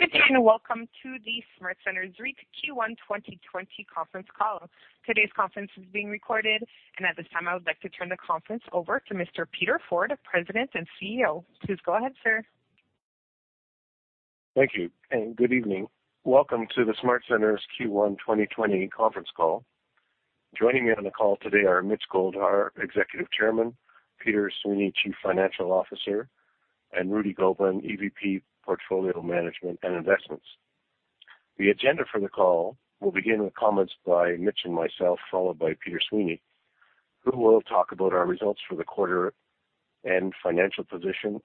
Good day, welcome to the SmartCentres REIT Q1 2020 conference call. Today's conference is being recorded, at this time, I would like to turn the conference over to Mr. Peter Forde, President and CEO. Please go ahead, sir. Thank you, and good evening. Welcome to the SmartCentres Q1 2020 conference call. Joining me on the call today are Mitch Goldhar, Executive Chairman, Peter Sweeney, Chief Financial Officer, and Rudy Gobin, EVP, Portfolio Management and Investments. The agenda for the call will begin with comments by Mitch and myself, followed by Peter Sweeney, who will talk about our results for the quarter and financial position,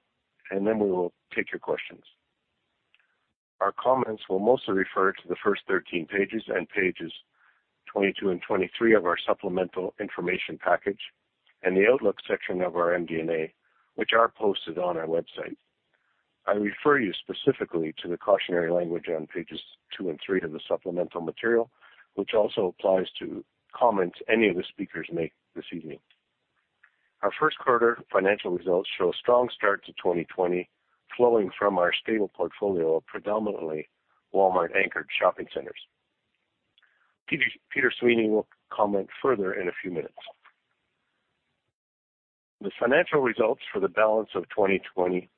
and then we will take your questions. Our comments will mostly refer to the first 13 pages and pages 22 and 23 of our supplemental information package and the outlook section of our MD&A, which are posted on our website. I refer you specifically to the cautionary language on pages two and three of the supplemental material, which also applies to comments any of the speakers make this evening. Our first quarter financial results show a strong start to 2020 flowing from our stable portfolio of predominantly Walmart-anchored shopping centers. Peter Sweeney will comment further in a few minutes. The financial results for the balance of 2020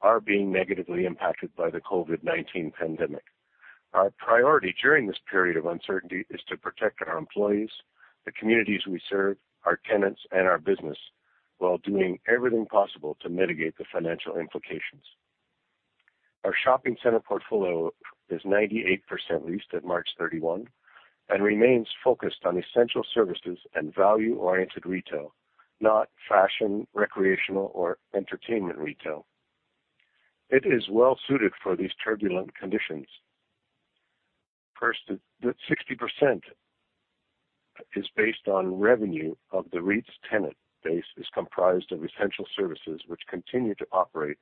are being negatively impacted by the COVID-19 pandemic. Our priority during this period of uncertainty is to protect our employees, the communities we serve, our tenants, and our business while doing everything possible to mitigate the financial implications. Our shopping center portfolio is 98% leased at March 31 and remains focused on essential services and value-oriented retail, not fashion, recreational, or entertainment retail. It is well-suited for these turbulent conditions. First, 60% is based on revenue of the REIT's tenant base is comprised of essential services which continue to operate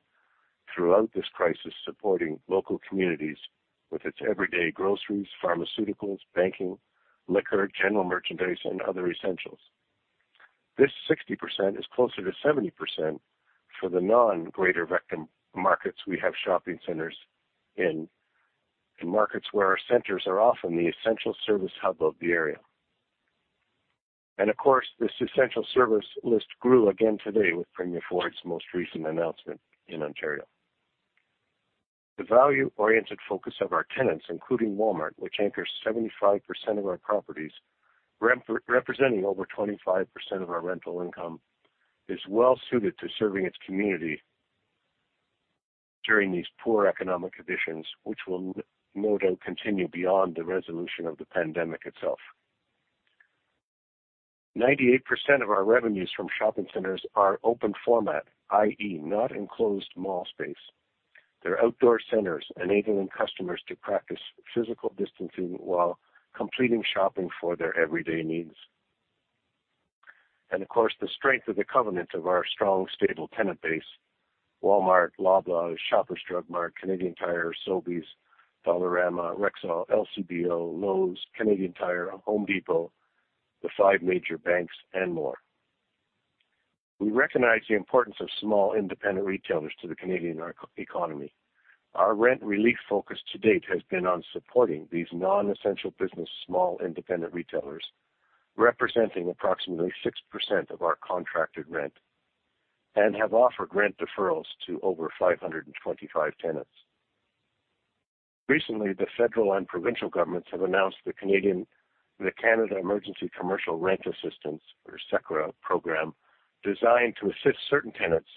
throughout this crisis, supporting local communities with its everyday groceries, pharmaceuticals, banking, liquor, general merchandise, and other essentials. This 60% is closer to 70% for the non-greater markets we have shopping centers in markets where our centers are often the essential service hub of the area. Of course, this essential service list grew again today with Premier Ford's most recent announcement in Ontario. The value-oriented focus of our tenants, including Walmart, which anchors 75% of our properties, representing over 25% of our rental income, is well-suited to serving its community during these poor economic conditions, which will no doubt continue beyond the resolution of the pandemic itself. 98% of our revenues from shopping centers are open format, i.e., not enclosed mall space. They're outdoor centers enabling customers to practice physical distancing while completing shopping for their everyday needs. Of course, the strength of the covenant of our strong, stable tenant base, Walmart, Loblaw, Shoppers Drug Mart, Canadian Tire, Sobeys, Dollarama, Rexall, LCBO, Lowe's, Canadian Tire, Home Depot, the five major banks, and more. We recognize the importance of small, independent retailers to the Canadian economy. Our rent relief focus to date has been on supporting these non-essential business small independent retailers, representing approximately 6% of our contracted rent and have offered rent deferrals to over 525 tenants. Recently, the federal and provincial governments have announced the Canada Emergency Commercial Rent Assistance, or CECRA, program designed to assist certain tenants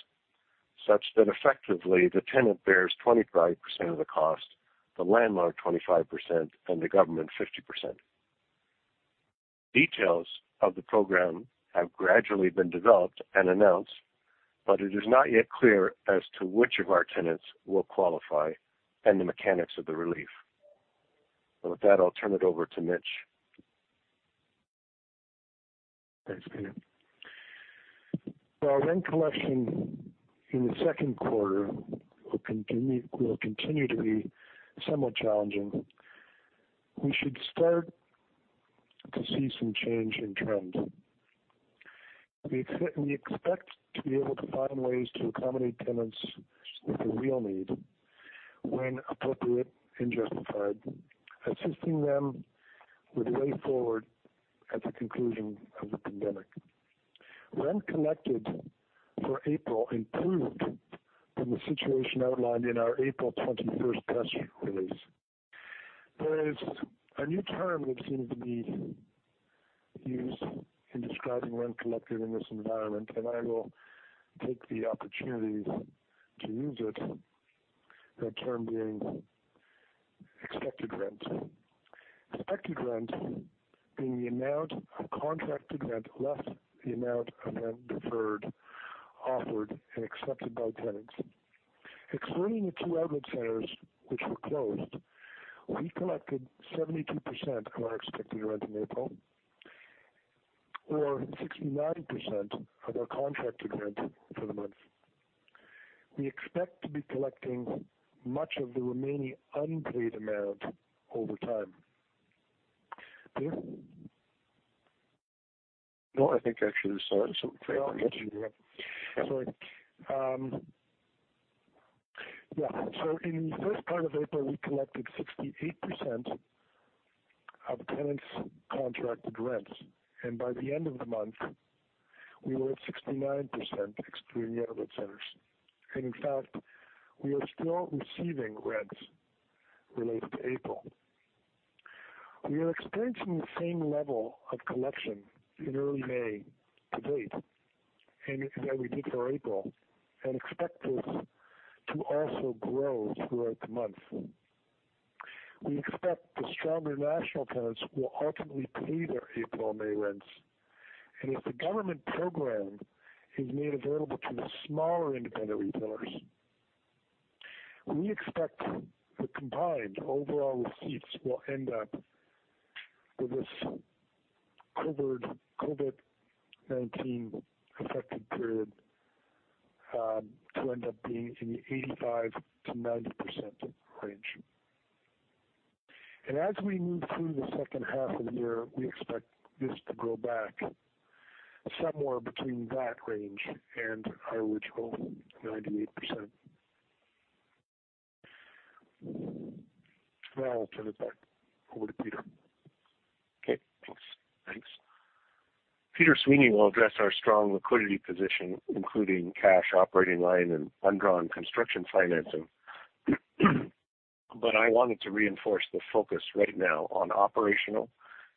such that effectively the tenant bears 25% of the cost, the landlord 25%, and the government 50%. Details of the program have gradually been developed and announced, it is not yet clear as to which of our tenants will qualify and the mechanics of the relief. With that, I'll turn it over to Mitch. Thanks, Peter. While rent collection in the second quarter will continue to be somewhat challenging, we should start to see some change in trend. We expect to be able to find ways to accommodate tenants with a real need when appropriate and justified, assisting them with a way forward at the conclusion of the pandemic. Rent collected for April improved from the situation outlined in our April 21 press release. There is a new term that seems to be used in describing rent collected in this environment, and I will take the opportunity to use it, that term being expected rent. Expected rent being the amount of contracted rent less the amount of rent deferred, offered, and accepted by tenants. Excluding the two outlet centers which were closed, we collected 72% of our expected rent in April or 69% of our contracted rent for the month. We expect to be collecting much of the remaining unpaid amount over time. This No, I think actually this slide is something I mentioned. In the first part of April, we collected 68% of tenants' contracted rents, and by the end of the month, we were at 69%, excluding the outlet centers. In fact, we are still receiving rents related to April. We are experiencing the same level of collection in early May to date that we did for April and expect this to also grow throughout the month. We expect the stronger national tenants will ultimately pay their April and May rents. If the government program is made available to the smaller independent retailers, we expect the combined overall receipts for this COVID-19-affected period to end up being in the 85% to 90% range. As we move through the second half of the year, we expect this to grow back somewhere between that range and our original 98%. I'll turn it back over to Peter. Okay, thanks. Peter Sweeney will address our strong liquidity position, including cash operating line and undrawn construction financing. I wanted to reinforce the focus right now on operational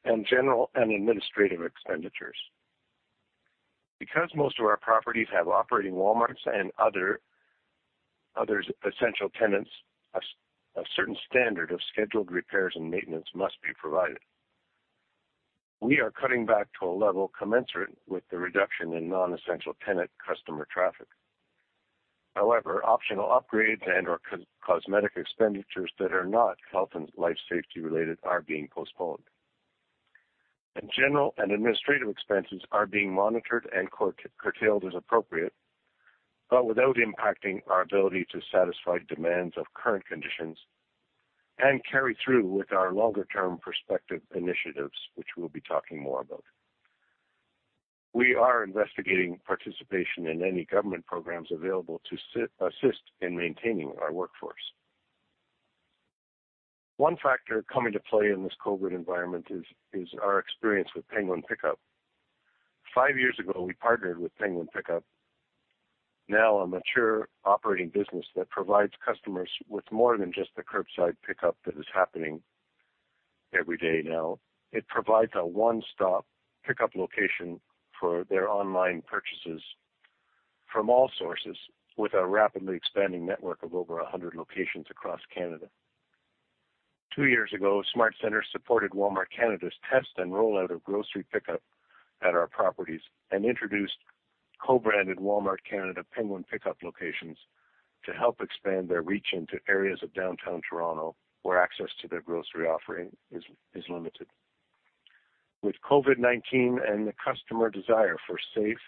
and general and administrative expenditures. Because most of our properties have operating Walmarts and other essential tenants, a certain standard of scheduled repairs and maintenance must be provided. We are cutting back to a level commensurate with the reduction in non-essential tenant customer traffic. Optional upgrades and/or cosmetic expenditures that are not health and life safety related are being postponed. General and administrative expenses are being monitored and curtailed as appropriate, but without impacting our ability to satisfy demands of current conditions and carry through with our longer-term perspective initiatives, which we'll be talking more about. We are investigating participation in any government programs available to assist in maintaining our workforce. One factor coming to play in this COVID-19 environment is our experience with Penguin Pick-Up. Five years ago, we partnered with Penguin Pick-Up, now a mature operating business that provides customers with more than just the curbside pickup that is happening every day now. It provides a one-stop pickup location for their online purchases from all sources, with a rapidly expanding network of over 100 locations across Canada. Two years ago, SmartCentres supported Walmart Canada's test and rollout of grocery pickup at our properties and introduced co-branded Walmart Canada Penguin Pick-Up locations to help expand their reach into areas of downtown Toronto where access to their grocery offering is limited. With COVID-19 and the customer desire for safe,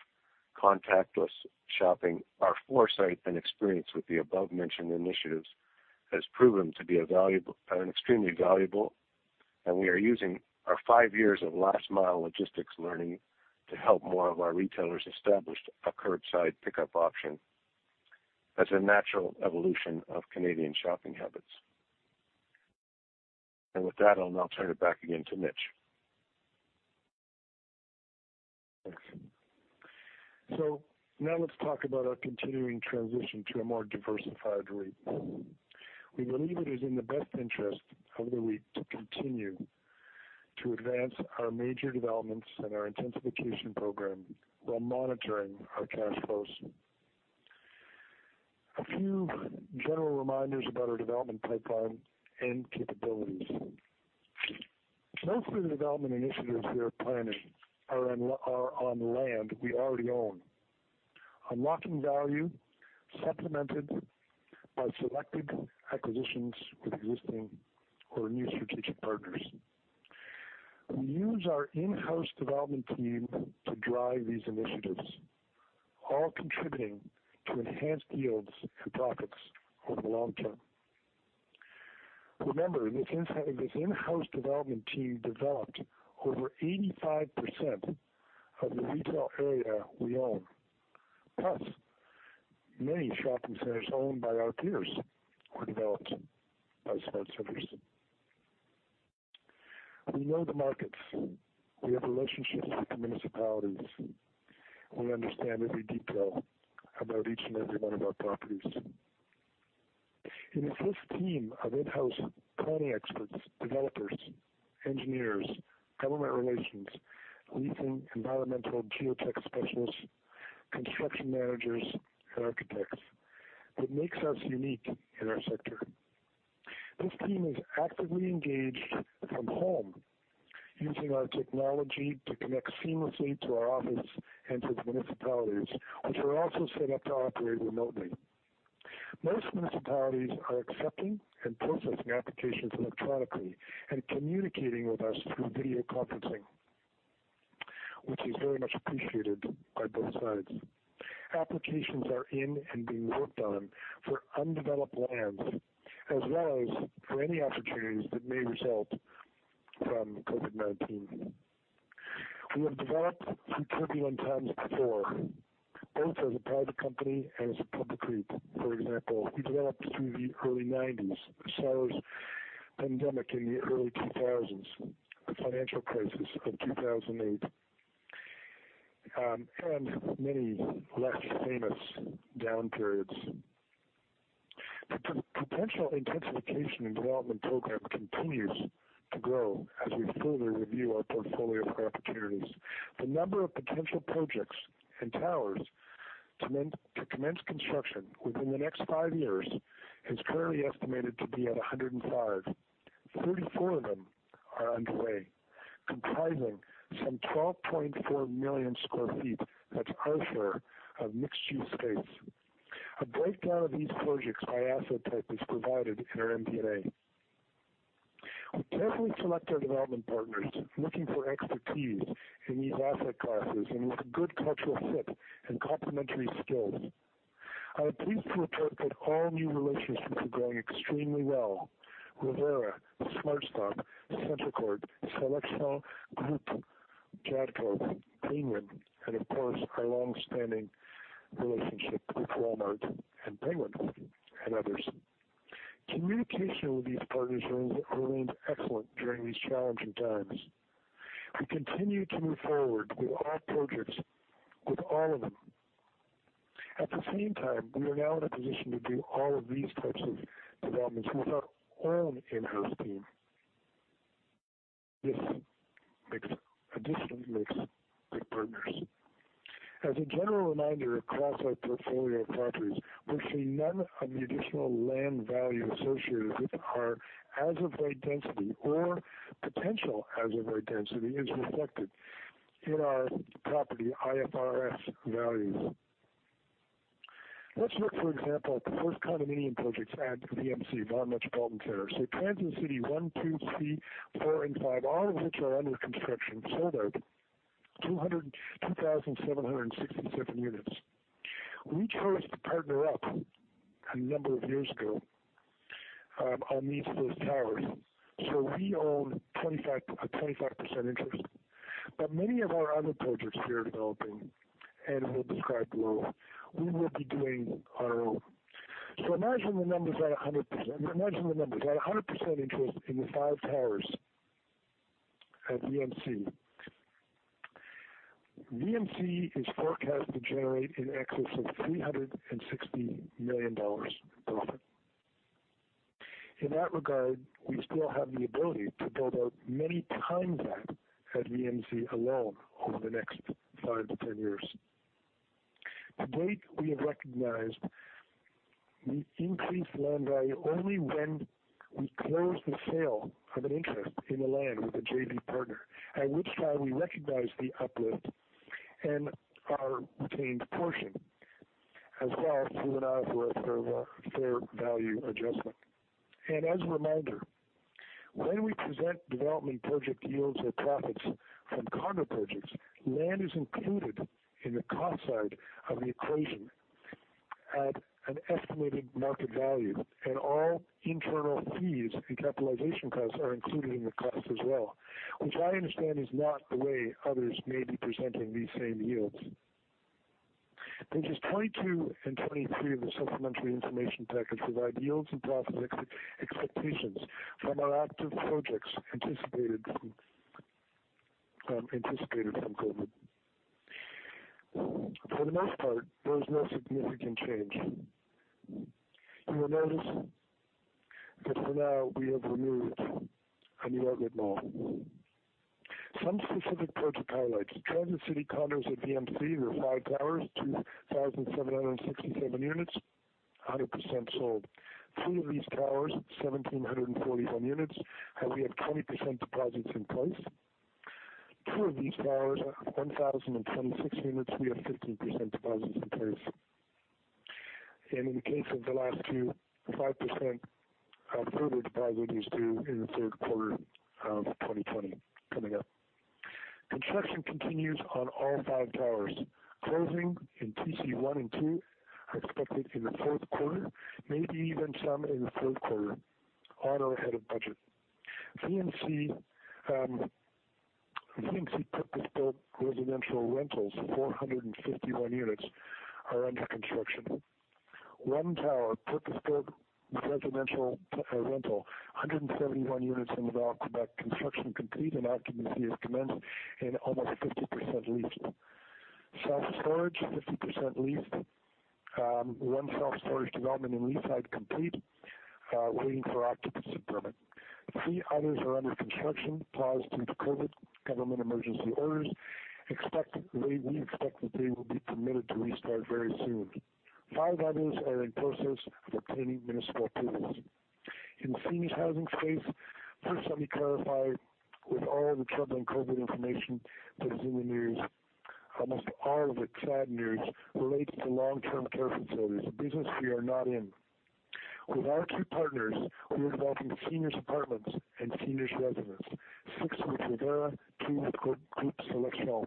contactless shopping, our foresight and experience with the above-mentioned initiatives has proven to be extremely valuable, and we are using our five years of last-mile logistics learning to help more of our retailers establish a curbside pickup option as a natural evolution of Canadian shopping habits. With that, I will now turn it back again to Mitch. Thanks. Now let's talk about our continuing transition to a more diversified REIT. We believe it is in the best interest of the REIT to continue to advance our major developments and our intensification program while monitoring our cash flows. A few general reminders about our development pipeline and capabilities. Most of the development initiatives we are planning are on land we already own. Unlocking value, supplemented by selected acquisitions with existing or new strategic partners. We use our in-house development team to drive these initiatives, all contributing to enhanced yields and profits over the long term. Remember, this in-house development team developed over 85% of the retail area we own, plus many shopping centers owned by our peers were developed by SmartCentres. We know the markets. We have relationships with the municipalities. We understand every detail about each and every one of our properties. It's this team of in-house planning experts, developers, engineers, government relations, leasing, environmental, geotech specialists, construction managers, and architects that makes us unique in our sector. This team is actively engaged from home, using our technology to connect seamlessly to our office and to the municipalities, which are also set up to operate remotely. Most municipalities are accepting and processing applications electronically and communicating with us through video conferencing, which is very much appreciated by both sides. Applications are in and being worked on for undeveloped lands, as well as for any opportunities that may result from COVID-19. We have developed through turbulent times before, both as a private company and as a public REIT. For example, we developed through the early 1990s, SARS pandemic in the early 2000s, the financial crisis of 2008, and many less famous down periods. The potential intensification and development program continues to grow as we further review our portfolio for opportunities. The number of potential projects and towers to commence construction within the next five years is currently estimated to be at 105. 34 of them are underway, comprising some 12.4 million square feet, that's our share of mixed-use space. A breakdown of these projects by asset type is provided in our MD&A. We carefully select our development partners, looking for expertise in these asset classes and with a good cultural fit and complementary skills. I am pleased to report that all new relationships are going extremely well. Revera, SmartCentres, CentreCourt, Groupe Sélection Jadco, Penguin, and of course, our long-standing relationship with Walmart and Penguin and others. Communication with these partners remains excellent during these challenging times. We continue to move forward with our projects with all of them. At the same time, we are now in a position to do all of these types of developments with our own in-house team. This additionally makes big partners. As a general reminder across our portfolio of properties, we see none of the additional land value associated with our as-of-right density or potential as-of-right density is reflected in our property IFRS values. Let's look, for example, at the first condominium projects at VMC, Vaughan Metropolitan Centre. Transit City one, two, three, four, and five, all of which are under construction, sold out 2,767 units. We chose to partner up a number of years ago on each of those towers. We own a 25% interest. Many of our other projects we are developing and will describe below, we will be doing on our own. Imagine the numbers at 100% interest in the five towers at VMC. VMC is forecast to generate in excess of 360 million dollars profit. In that regard, we still have the ability to build out many times that at VMC alone over the next five to 10 years. To date, we have recognized the increased land value only when we close the sale of an interest in the land with a JV partner. At which time we recognize the uplift in our retained portion, as well through an IFRS fair value adjustment. As a reminder, when we present development project yields or profits from condo projects, land is included in the cost side of the equation at an estimated market value, and all internal fees and capitalization costs are included in the cost as well, which I understand is not the way others may be presenting these same yields. Pages 22 and 23 of the supplementary information package provide yields and profit expectations from our active projects anticipated from COVID-19. For the most part, there is no significant change. You will notice that for now, we have removed a new outlet mall. Some specific project highlights. Transit City condos at VMC were five towers, 2,767 units, 100% sold. Two of these towers, 1,741 units, have we have 20% deposits in place. Two of these towers, 1,026 units, we have 15% deposits in place. And in the case of the last two, 5% further deposit is due in the third quarter of 2020 coming up. Construction continues on all five towers. Closing in TC 1 and 2 are expected in the fourth quarter, maybe even some in the third quarter, on or ahead of budget. VMC purpose-built residential rentals, 451 units are under construction. One tower, purpose-built residential rental, 171 units in Laval, Quebec. Construction complete and occupancy is commenced and almost 50% leased. Self-storage, 50% leased. One self-storage development in Leaside complete, waiting for occupancy permit. Three others are under construction, paused due to COVID government emergency orders. We expect that they will be permitted to restart very soon. Five others are in process of obtaining municipal approvals. In the seniors housing space, first let me clarify with all the troubling COVID information that is in the news. Almost all of the sad news relates to long-term care facilities, a business we are not in. With our two partners, we are developing seniors apartments and seniors residence, six with Revera, two with Groupe Sélection.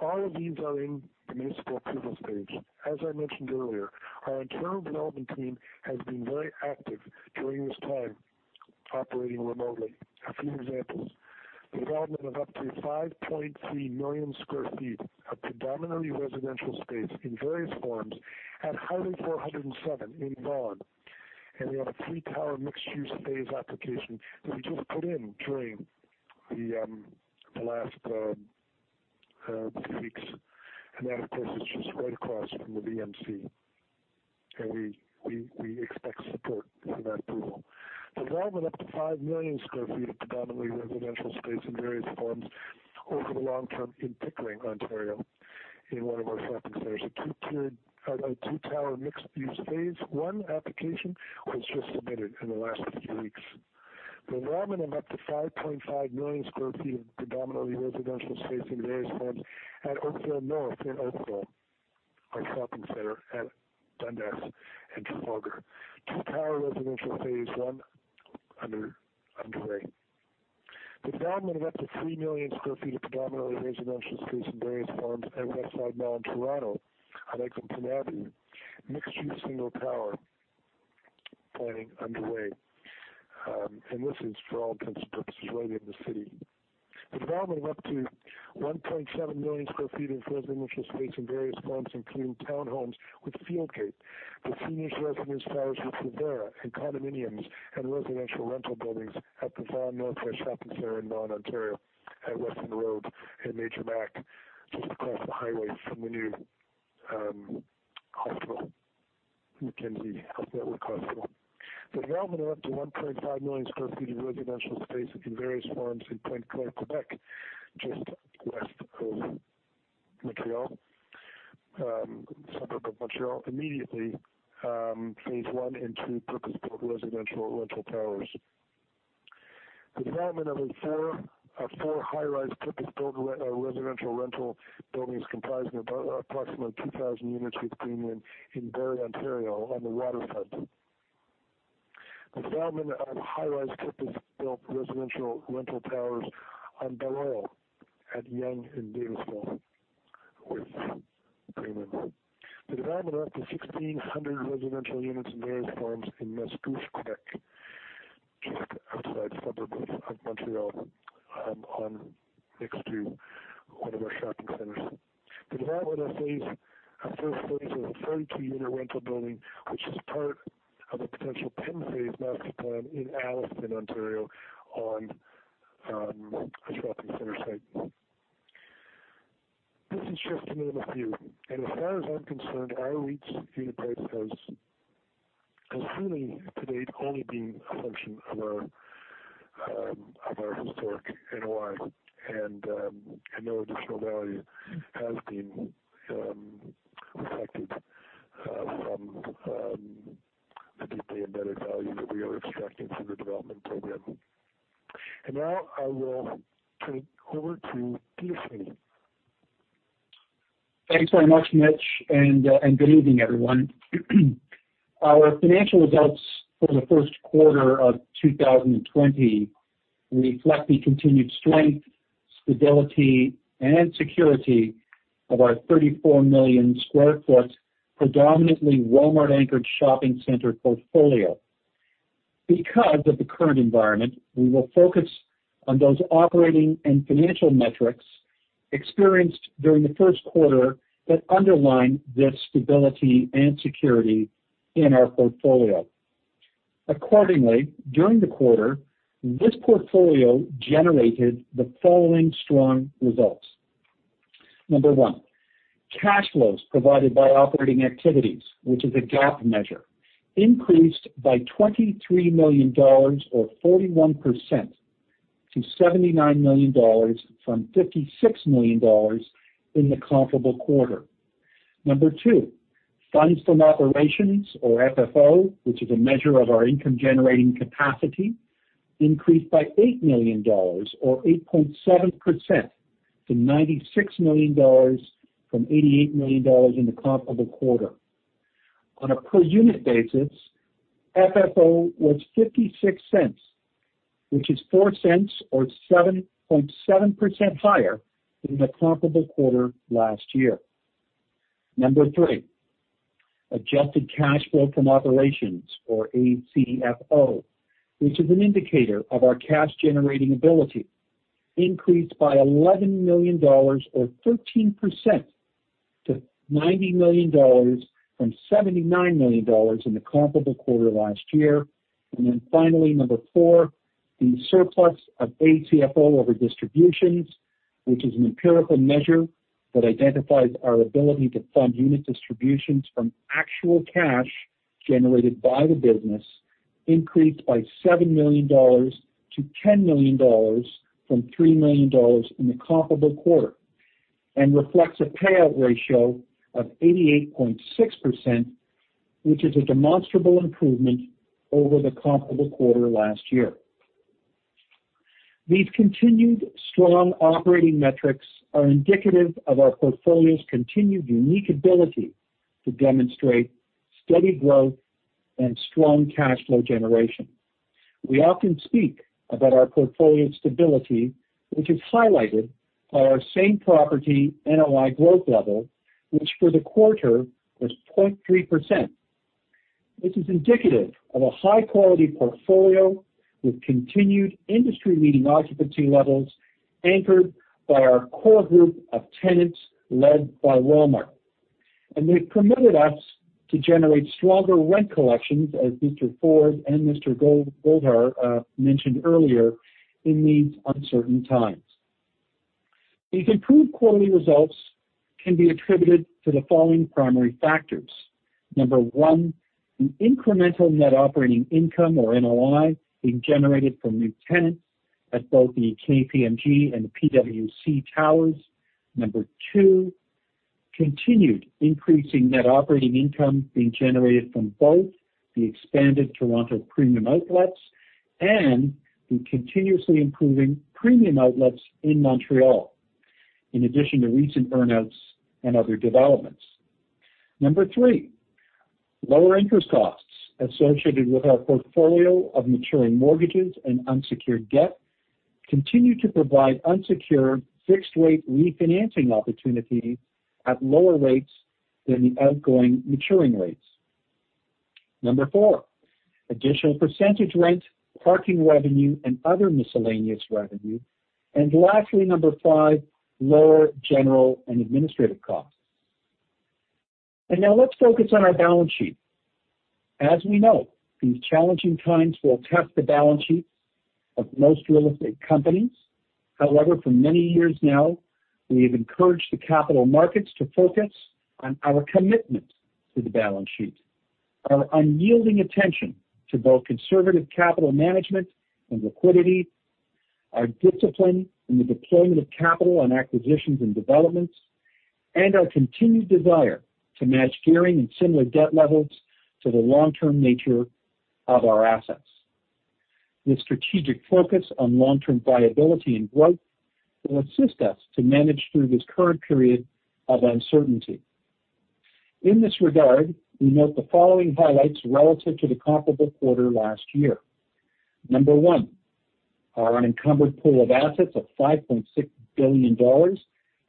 All of these are in municipal approvals stage. As I mentioned earlier, our internal development team has been very active during this time operating remotely. A few examples. Development of up to 5.3 million sq ft of predominantly residential space in various forms at Highway 407 in Vaughan. We have a three-tower mixed-use phase application that we just put in during the last few weeks. That, of course, is just right across from the VMC. We expect support for that approval. Development up to 5 million sq ft of predominantly residential space in various forms over the long term in Pickering, Ontario, in one of our shopping centers. A two-tower mixed-use Phase I application was just submitted in the last few weeks. Development of up to 5.5 million sq ft of predominantly residential space in various forms at Oakville North in Oakville, our shopping center at Dundas and Trafalgar. Two-tower residential phase 1 underway. Development of up to 3 million sq ft of predominantly residential space in various forms at Westside Mall in Toronto, on Lake Ontario. Mixed-use single tower planning underway. This is for all intents and purposes right in the city. Development of up to 1.7 million sq ft of residential space in various forms, including townhomes with Fieldgate, but seniors residence towers with Revera and condominiums and residential rental buildings at the Vaughan Northwest Shopping Center in Vaughan, Ontario, at Weston Road and Major Mac, just across the highway from the new hospital, Mackenzie Health Network Hospital. Development up to 1.5 million sq ft of residential space in various forms in Pointe-Claire, Quebec, just west of Montreal, a suburb of Montreal immediately. Phase one and two purpose-built residential rental towers. Development of four high-rise purpose-built residential rental buildings comprising approximately 2,000 units with Greenwin in Barrie, Ontario, on the waterfront. Development of high-rise purpose-built residential rental towers on Balmoral at Yonge and Davisville with Greenland. The development of up to 1,600 residential units in various forms in Mascouche, Quebec, just outside suburbs of Montreal, next to one of our shopping centers. Development of our first phase of a 32-unit rental building, which is part of a potential 10-phase master plan in Alliston, Ontario, on a shopping center site. This is just to name a few. As far as I'm concerned, our REIT's unit price has seemingly to date only been a function of our historic NOI, and no additional value has been reflected from the deeply embedded value that we are extracting through the development program. Now I will turn it over to .Peter Sweeney Thanks very much, Mitch. Good evening, everyone. Our financial results for the first quarter of 2020 reflect the continued strength, stability, and security of our 34 million square foot predominantly Walmart-anchored shopping center portfolio. Because of the current environment, we will focus on those operating and financial metrics experienced during the first quarter that underline the stability and security in our portfolio. Accordingly, during the quarter, this portfolio generated the following strong results. Number one, cash flows provided by operating activities, which is a GAAP measure, increased by 23 million dollars or 41% to 79 million dollars from 56 million dollars in the comparable quarter. Number two, funds from operations or FFO, which is a measure of our income-generating capacity, increased by 8 million dollars or 8.7% to 96 million dollars from 88 million dollars in the comparable quarter. On a per unit basis, FFO was 0.56, which is 0.04 or 7.7% higher than the comparable quarter last year. Number three, adjusted cash flow from operations or ACFO, which is an indicator of our cash-generating ability, increased by 11 million dollars or 13% to 90 million dollars from 79 million dollars in the comparable quarter last year. Finally, number four, the surplus of ACFO over distributions, which is an empirical measure that identifies our ability to fund unit distributions from actual cash generated by the business, increased by 7 million dollars to 10 million dollars from 3 million dollars in the comparable quarter and reflects a payout ratio of 88.6%, which is a demonstrable improvement over the comparable quarter last year. These continued strong operating metrics are indicative of our portfolio's continued unique ability to demonstrate steady growth and strong cash flow generation. We often speak about our portfolio stability, which is highlighted by our same property NOI growth level, which for the quarter was 0.3%. This is indicative of a high-quality portfolio with continued industry-leading occupancy levels, anchored by our core group of tenants led by Walmart. They've permitted us to generate stronger rent collections as Mr. Forde and Mr. Goldhar mentioned earlier in these uncertain times. These improved quarterly results can be attributed to the following primary factors. Number one, an incremental net operating income or NOI being generated from new tenants at both the KPMG and the PwC towers. Number two, continued increasing net operating income being generated from both the expanded Toronto Premium Outlets and the continuously improving premium outlets in Montreal. In addition to recent earn-outs and other developments. Number three, lower interest costs associated with our portfolio of maturing mortgages and unsecured debt continue to provide unsecured fixed rate refinancing opportunities at lower rates than the outgoing maturing rates. Number four, additional percentage rent, parking revenue, and other miscellaneous revenue. Lastly, number five, lower general and administrative costs. Now let's focus on our balance sheet. As we know, these challenging times will test the balance sheets of most real estate companies. However, for many years now, we have encouraged the capital markets to focus on our commitment to the balance sheet. Our unyielding attention to both conservative capital management and liquidity, our discipline in the deployment of capital on acquisitions and developments, and our continued desire to match gearing and similar debt levels to the long-term nature of our assets. This strategic focus on long-term viability and growth will assist us to manage through this current period of uncertainty. In this regard, we note the following highlights relative to the comparable quarter last year. Number one, our unencumbered pool of assets of 5.6 billion dollars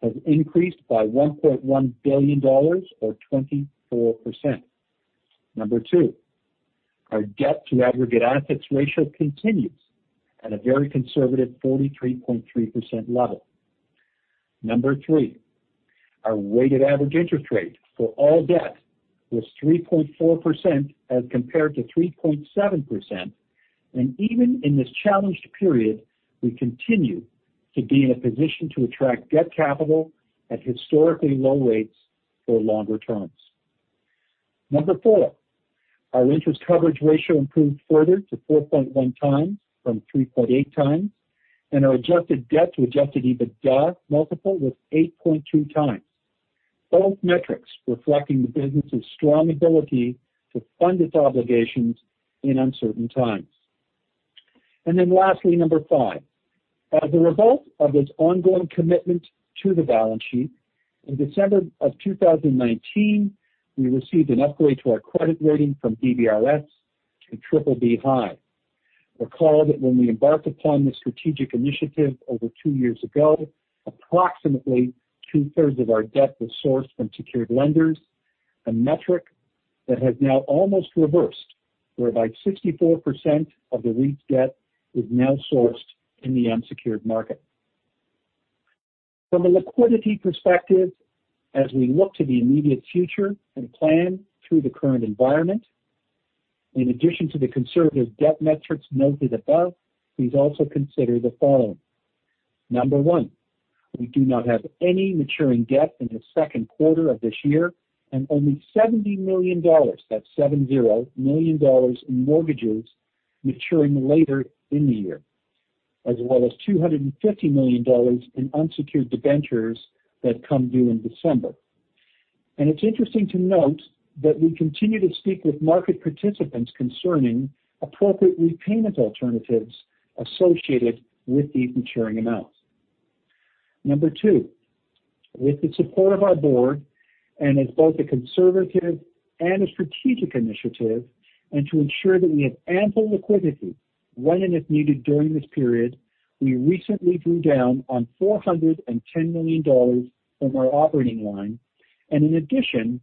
has increased by 1.1 billion dollars or 24%. Number two, our debt to aggregate assets ratio continues at a very conservative 43.3% level. Number three, our weighted average interest rate for all debt was 3.4% as compared to 3.7%. Even in this challenged period, we continue to be in a position to attract debt capital at historically low rates for longer terms. Number four, our interest coverage ratio improved further to 4.1 times from 3.8 times. Our adjusted debt to adjusted EBITDA multiple was 8.2 times. Both metrics reflecting the business's strong ability to fund its obligations in uncertain times. Lastly, number five. As a result of this ongoing commitment to the balance sheet, in December 2019, we received an upgrade to our credit rating from DBRS to BBB (high). Recall that when we embarked upon this strategic initiative over two years ago, approximately two-thirds of our debt was sourced from secured lenders, a metric that has now almost reversed, whereby 64% of the REIT's debt is now sourced in the unsecured market. From a liquidity perspective, as we look to the immediate future and plan through the current environment, in addition to the conservative debt metrics noted above, please also consider the following. Number one, we do not have any maturing debt in the second quarter of this year, and only 70 million dollars, that's 70 million dollars in mortgages maturing later in the year. As well as 250 million dollars in unsecured debentures that come due in December. It's interesting to note that we continue to speak with market participants concerning appropriate repayment alternatives associated with these maturing amounts. Number two, with the support of our board, and as both a conservative and a strategic initiative, and to ensure that we have ample liquidity when and if needed during this period, we recently drew down on 410 million dollars from our operating line. In addition,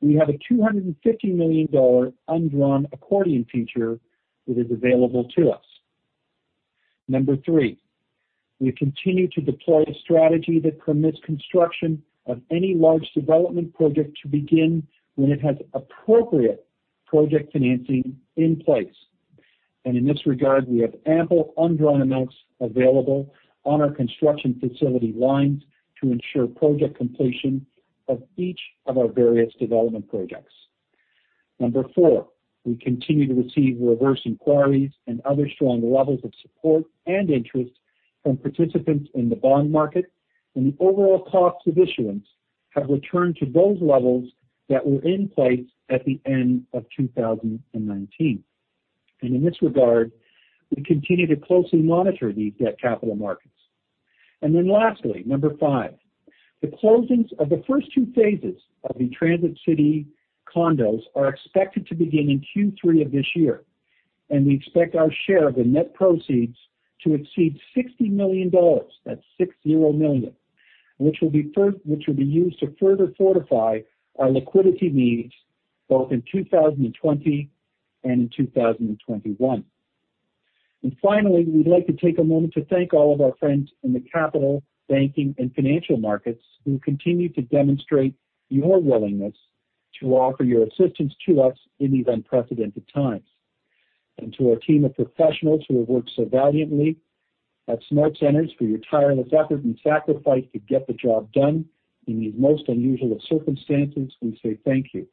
we have a 250 million dollar undrawn accordion feature that is available to us. Number three, we continue to deploy a strategy that permits construction of any large development project to begin when it has appropriate project financing in place. In this regard, we have ample undrawn amounts available on our construction facility lines to ensure project completion of each of our various development projects. Number four, we continue to receive reverse inquiries and other strong levels of support and interest from participants in the bond market, the overall cost of issuance have returned to those levels that were in place at the end of 2019. In this regard, we continue to closely monitor the debt capital markets. Lastly, number five, the closings of the first two phases of the Transit City condos are expected to begin in Q3 of this year, and we expect our share of the net proceeds to exceed 60 million dollars. That's 60 million, which will be used to further fortify our liquidity needs both in 2020 and in 2021. Finally, we'd like to take a moment to thank all of our friends in the capital, banking, and financial markets who continue to demonstrate your willingness to offer your assistance to us in these unprecedented times. To our team of professionals who have worked so valiantly at SmartCentres for your tireless effort and sacrifice to get the job done in these most unusual of circumstances, we say thank you.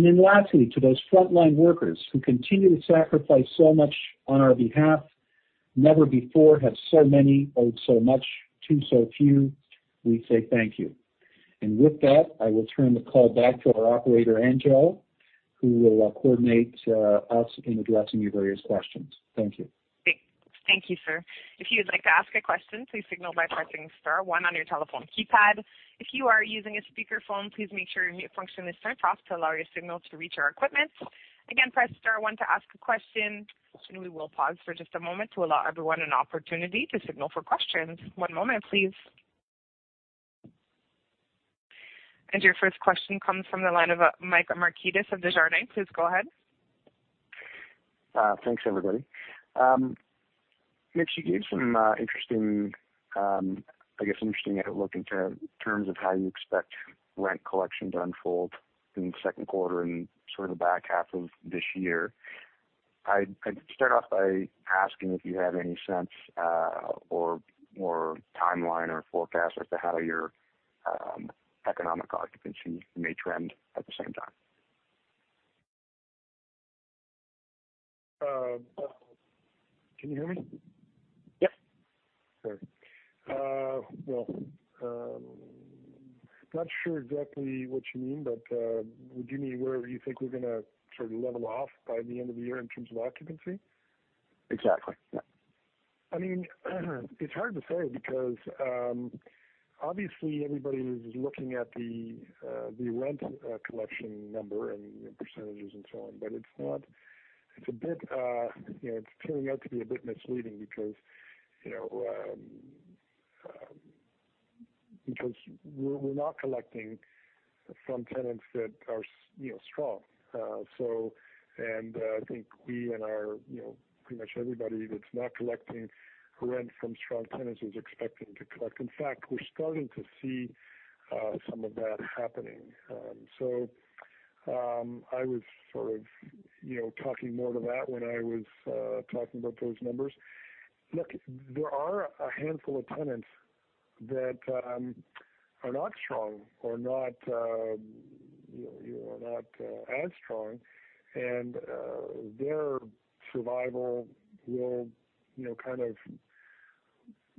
Lastly, to those frontline workers who continue to sacrifice so much on our behalf, never before have so many owed so much to so few, we say thank you. With that, I will turn the call back to our operator, Angelo, who will coordinate us in addressing your various questions. Thank you. Thank you, sir. If you'd like to ask a question, please signal by pressing star one on your telephone keypad. If you are using a speakerphone, please make sure your mute function is turned off to allow your signal to reach our equipment. Again, press star one to ask a question, we will pause for just a moment to allow everyone an opportunity to signal for questions. One moment, please. Your first question comes from the line of Michael Markidis of Desjardins. Please go ahead. Thanks, everybody. Mitch, you gave some, I guess, interesting outlook in terms of how you expect rent collection to unfold in the second quarter and sort of the back half of this year. I'd start off by asking if you have any sense or timeline or forecast as to how your economic occupancy may trend at the same time. Can you hear me? Yep. Sorry. Well, I'm not sure exactly what you mean, but do you mean where you think we're going to sort of level off by the end of the year in terms of occupancy? Exactly. Yeah. It's hard to say because, obviously everybody is looking at the rent collection number and percentage and so on. It's turning out to be a bit misleading because we're not collecting from tenants that are strong. I think we and pretty much everybody that's not collecting rent from strong tenants is expecting to collect. In fact, we're starting to see some of that happening. I was sort of talking more to that when I was talking about those numbers. Look, there are a handful of tenants that are not strong or not as strong, and their survival will kind of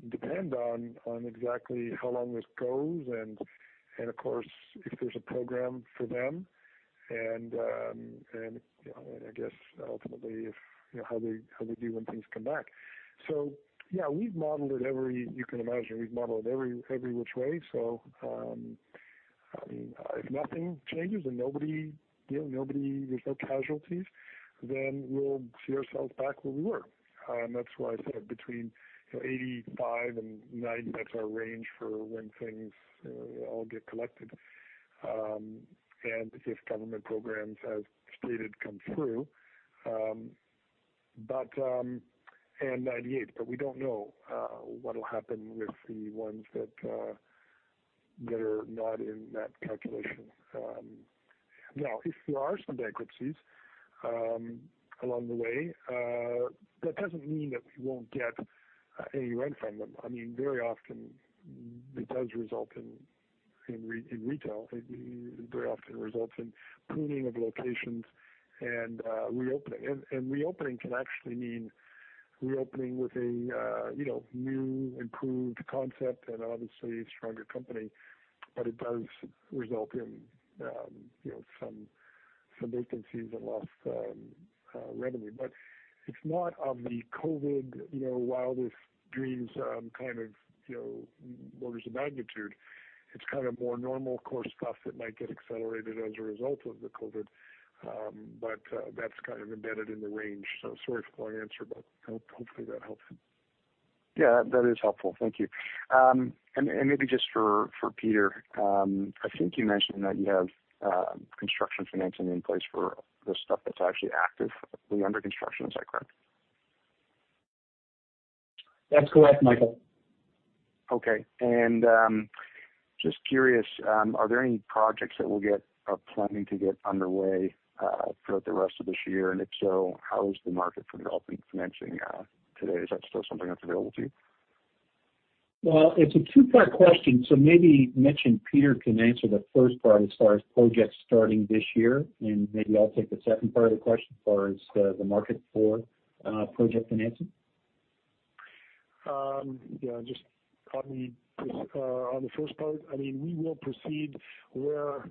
depend on exactly how long this goes and of course, if there's a program for them, and I guess ultimately how they do when things come back. Yeah, we've modeled every you can imagine. We've modeled every which way. If nothing changes and there's no casualties, then we'll see ourselves back where we were. That's why I said between 85 and 90, that's our range for when things all get collected. If government programs, as stated, come through, and 98%, but we don't know what'll happen with the ones that are not in that calculation. If there are some bankruptcies along the way, that doesn't mean that we won't get any rent from them. Very often it does result in retail. It very often results in pruning of locations and reopening. Reopening can actually mean reopening with a new, improved concept and obviously a stronger company. It does result in some vacancies and lost revenue. It's not of the COVID wildest dreams kind of orders of magnitude. It's kind of more normal course stuff that might get accelerated as a result of the COVID-19. That's kind of embedded in the range. Sorry for the long answer, but hopefully that helps. Yeah, that is helpful. Thank you. Maybe just for Peter, I think you mentioned that you have construction financing in place for the stuff that's actually active under construction. Is that correct? That's correct, Michael. Okay. Just curious, are there any projects that we'll get planning to get underway throughout the rest of this year? If so, how is the market for development financing today? Is that still something that's available to you? Well, it's a two-part question. Maybe Mitch and Peter can answer the first part as far as projects starting this year, and maybe I'll take the second part of the question as far as the market for project financing. Just on the first part, we will proceed where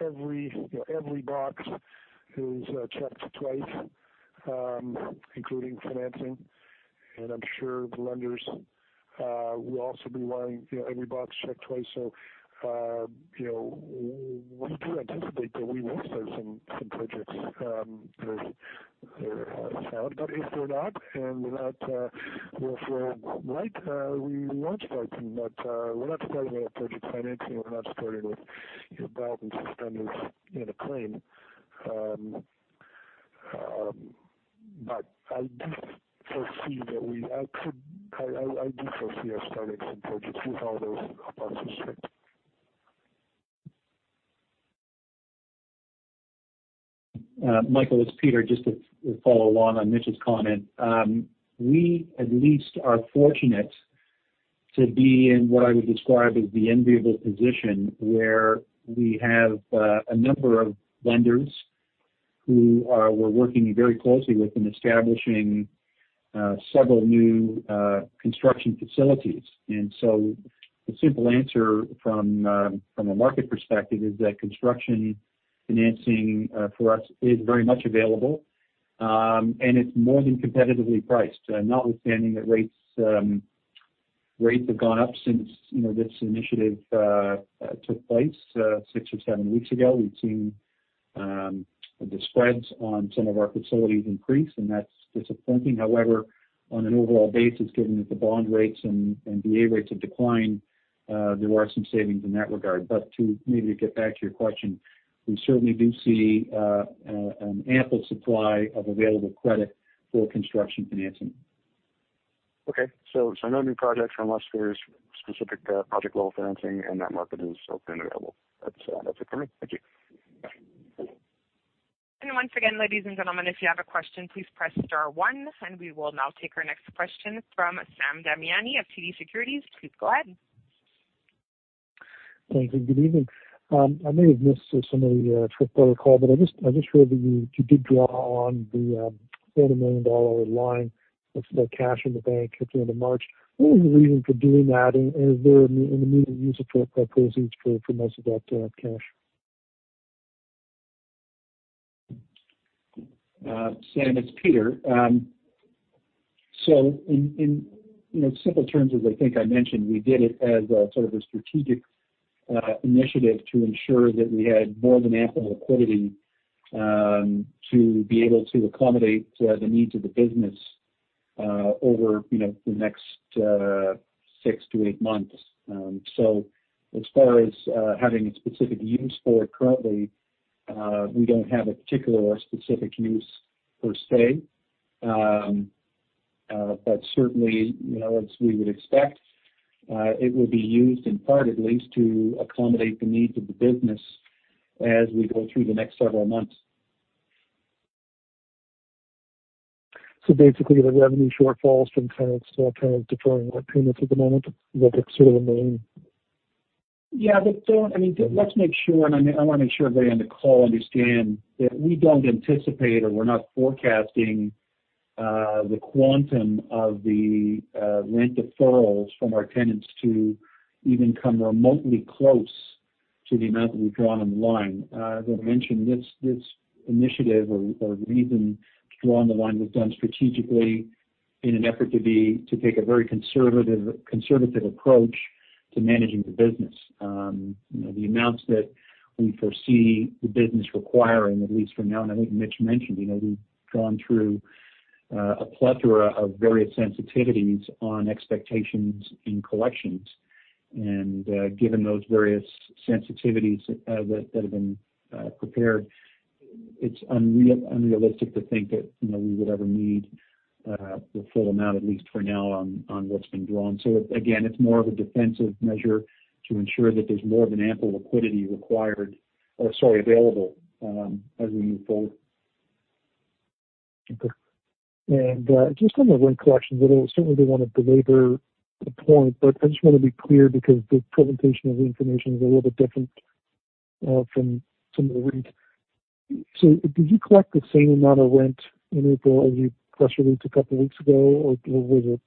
every box is checked twice, including financing. I'm sure the lenders will also be wanting every box checked twice. We do anticipate that we will start some projects that are sound. If they're not, and we're not, well, if we're right, we won't start them. We're not starting a project's financing. We're not starting with a development just on a claim. I do foresee us starting some projects with all those boxes checked. Michael, it's Peter. Just to follow along on Mitch's comment. We at least are fortunate to be in what I would describe as the enviable position where we have a number of lenders who we're working very closely with in establishing several new construction facilities. The simple answer from a market perspective is that construction financing for us is very much available. It's more than competitively priced. Notwithstanding that rates have gone up since this initiative took place six or seven weeks ago. We've seen the spreads on some of our facilities increase, and that's disappointing. However, on an overall basis, given that the bond rates and BA rates have declined, there are some savings in that regard. To maybe get back to your question, we certainly do see an ample supply of available credit for construction financing. Okay. No new projects unless there's specific project-level financing, and that market is open and available. That's it for me. Thank you. Once again, ladies and gentlemen, if you have a question, please press star one. We will now take our next question from Sam Damiani of TD Securities. Please go ahead. Thank you. Good evening. I may have missed some of the trip protocol. I just read that you did draw on the CAD 410 million line of the cash in the bank at the end of March. What was the reason for doing that? Is there an immediate use of proceeds for most of that cash? Sam, it's Peter. In simple terms, as I think I mentioned, we did it as sort of a strategic initiative to ensure that we had more than ample liquidity to be able to accommodate the needs of the business over the next six to eight months. As far as having a specific use for it currently, we do not have a particular specific use per se. Certainly, as we would expect, it would be used in part at least to accommodate the needs of the business as we go through the next several months. Basically, the revenue shortfalls from tenants still kind of deferring their payments at the moment. That's sort of the main. Yeah. Let's make sure, and I want to make sure everybody on the call understands that we don't anticipate or we're not forecasting the quantum of the rent deferrals from our tenants to even come remotely close to the amount that we've drawn on the line. As I mentioned, this initiative or reason to draw on the line was done strategically in an effort to take a very conservative approach to managing the business. The amounts that we foresee the business requiring, at least for now, and I think Mitch mentioned, we've gone through a plethora of various sensitivities on expectations in collections. Given those various sensitivities that have been prepared, it's unrealistic to think that we would ever need the full amount, at least for now, on what's been drawn. Again, it's more of a defensive measure to ensure that there's more than ample liquidity available as we move forward. Okay. Just on the rent collections, I certainly don't want to belabor the point, but I just want to be clear because the presentation of the information is a little bit different from some of the REITs. Did you collect the same amount of rent in April as you press released a couple of weeks ago, or was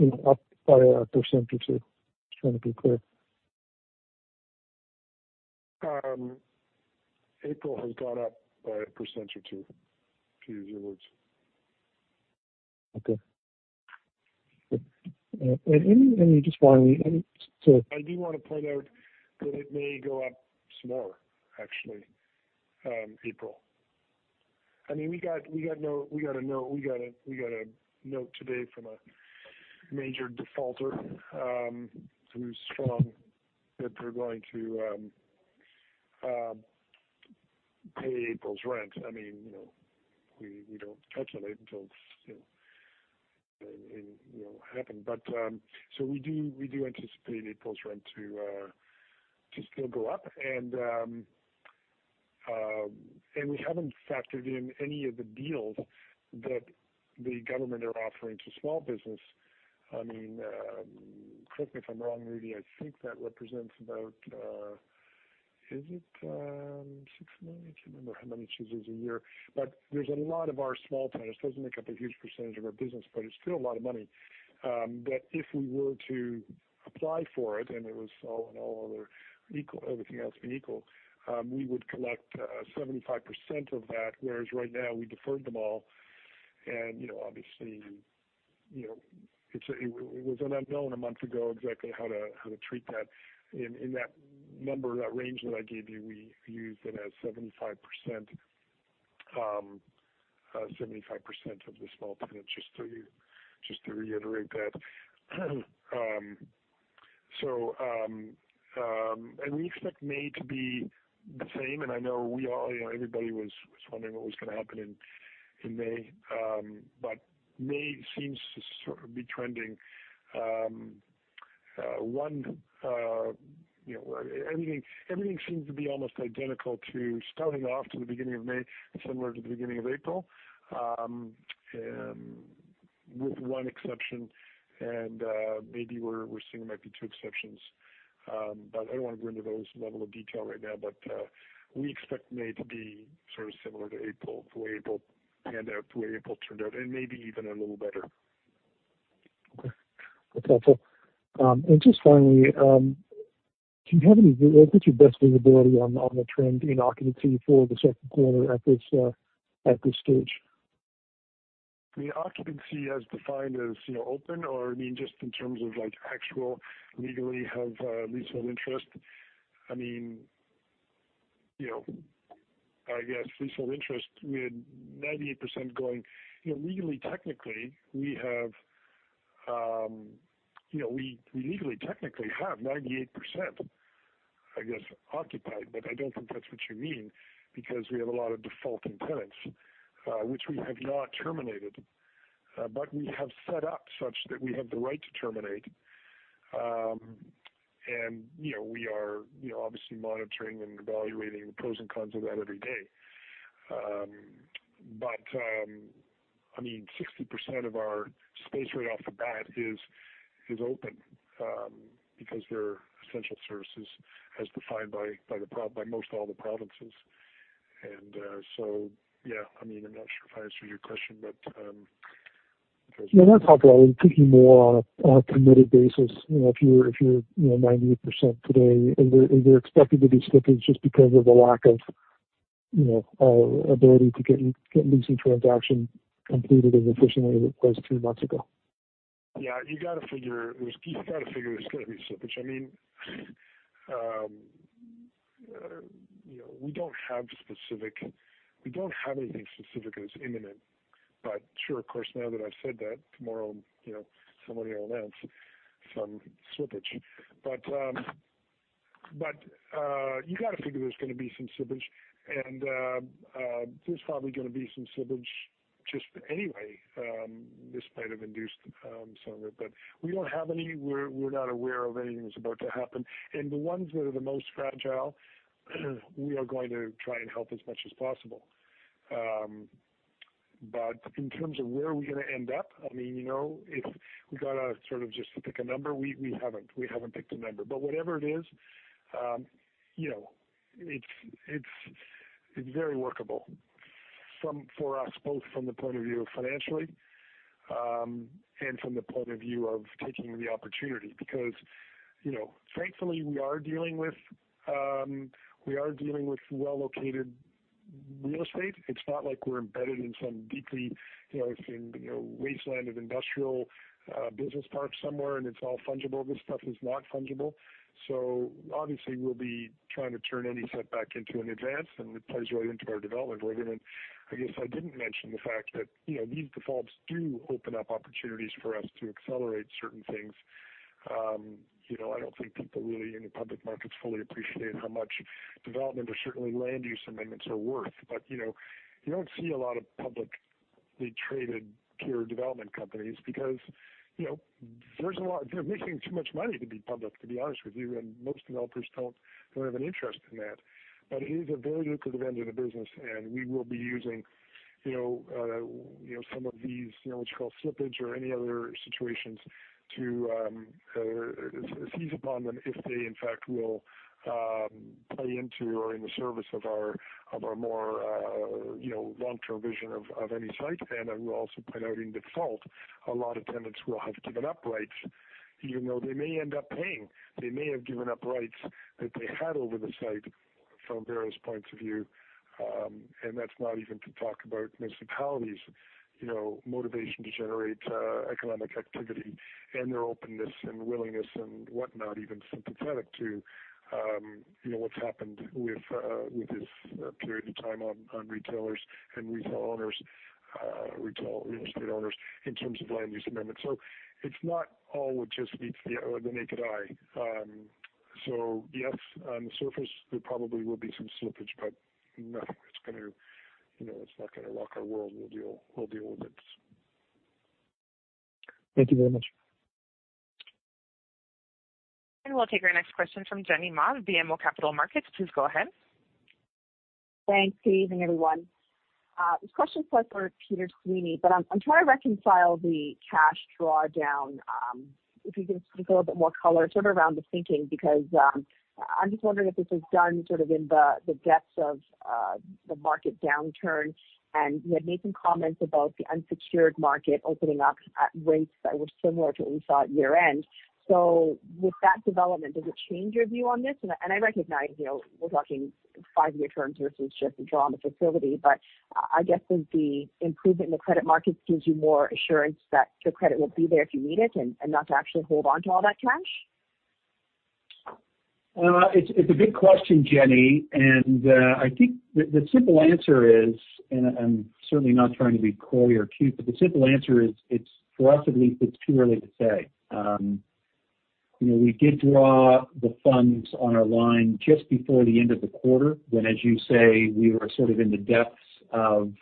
it up by a percent or 2%? Just trying to be clear. April has gone up by a percent or 2%, to use your words. Okay. just finally. I do want to point out that it may go up some more, actually, April. We got a note today from a major defaulter who's strong that they're going to pay April's rent. We don't calculate until it happened. We do anticipate April's rent to still go up. We haven't factored in any of the deals that the government are offering to small business. Correct me if I'm wrong, Rudy, I think that represents about. Is it 6 million? I can't remember how many leases a year. There's a lot of our small tenants. Doesn't make up a huge percentage of our business, but it's still a lot of money. If we were to apply for it, and all other everything else being equal, we would collect 75% of that, whereas right now we deferred them all. Obviously, it was an unknown a month ago exactly how to treat that. In that number, that range that I gave you, we used it as 75% of the small tenants, just to reiterate that. We expect May to be the same, and I know everybody was wondering what was going to happen in May. May seems to sort of be trending. Everything seems to be almost identical to starting off to the beginning of May and similar to the beginning of April, and with one exception, and maybe we're seeing it might be two exceptions. I don't want to go into those level of detail right now, but we expect May to be sort of similar to April, the way April turned out, and maybe even a little better. Okay. That's helpful. Just finally, what's your best visibility on the trend in occupancy for the second quarter at this stage? The occupancy as defined as open or just in terms of actual legally have leasehold interest? I guess leasehold interest with 98%. Legally, technically, we have 98%, I guess, occupied. I don't think that's what you mean because we have a lot of defaulting tenants, which we have not terminated. We have set up such that we have the right to terminate. We are obviously monitoring and evaluating the pros and cons of that every day. 60% of our space right off the bat is open, because we're essential services as defined by most all the provinces. Yeah, I'm not sure if I answered your question. No, that's helpful. I was thinking more on a committed basis. If you're 98% today and they're expected to be slippages just because of a lack of ability to get leasing transaction completed as efficiently as it was two months ago. Yeah, you got to figure there's going to be slippage. We don't have anything specific that's imminent, sure, of course, now that I've said that tomorrow somebody will announce some slippage. You got to figure there's going to be some slippage, and there's probably going to be some slippage just anyway. This might have induced some of it, we're not aware of anything that's about to happen. The ones that are the most fragile, we are going to try and help as much as possible. In terms of where we're going to end up, if we got to sort of just pick a number, we haven't picked a number. Whatever it is, it's very workable for us, both from the point of view of financially, and from the point of view of taking the opportunity. Because thankfully we are dealing with well-located real estate. It's not like we're embedded in some deeply wasteland of industrial business park somewhere, and it's all fungible. This stuff is not fungible. Obviously we'll be trying to turn any setback into an advance, and it plays right into our development regimen. I guess I didn't mention the fact that these defaults do open up opportunities for us to accelerate certain things. I don't think people really in the public markets fully appreciate how much development or certainly land use amendments are worth. You don't see a lot of publicly traded pure development companies because they're making too much money to be public, to be honest with you, and most developers don't have an interest in that. It is a very lucrative end of the business, and we will be using some of these, what you call slippage or any other situations to seize upon them if they in fact will play into or in the service of our more long-term vision of any site. I will also point out in default, a lot of tenants will have given up rights even though they may end up paying. They may have given up rights that they had over the site from various points of view. That's not even to talk about municipalities' motivation to generate economic activity and their openness and willingness and whatnot, even sympathetic to what's happened with this period of time on retailers and retail owners, retail real estate owners in terms of land use amendments. It's not all what just meets the naked eye. Yes, on the surface, there probably will be some slippage, but it's not going to rock our world. We'll deal with it. Thank you very much. We'll take our next question from Jenny Ma of BMO Capital Markets. Please go ahead. Thanks. Good evening, everyone. This question is for Peter Sweeney. I'm trying to reconcile the cash drawdown. If you can speak a little bit more color sort of around the thinking, because I'm just wondering if this was done sort of in the depths of the market downturn, and you had made some comments about the unsecured market opening up at rates that were similar to what we saw at year-end. With that development, does it change your view on this? I recognize, we're talking five-year terms versus just a draw on the facility, but I guess does the improvement in the credit markets gives you more assurance that the credit will be there if you need it and not to actually hold on to all that cash? It's a big question, Jenny, and I think the simple answer is, and I'm certainly not trying to be coy or cute, but the simple answer is, for us at least, it's too early to say. We did draw the funds on our line just before the end of the quarter when, as you say, we were sort of in the depths of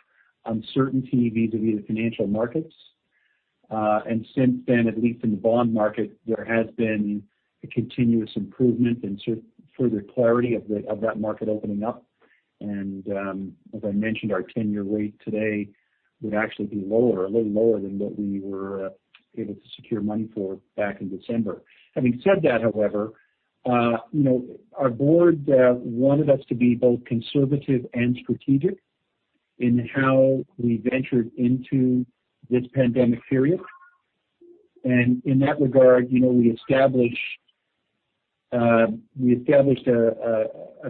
uncertainty vis-a-vis the financial markets. Since then, at least in the bond market, there has been a continuous improvement and further clarity of that market opening up. As I mentioned, our 10-year rate today would actually be lower, a little lower than what we were able to secure money for back in December. Having said that, however, our board wanted us to be both conservative and strategic in how we ventured into this pandemic period. In that regard, we established a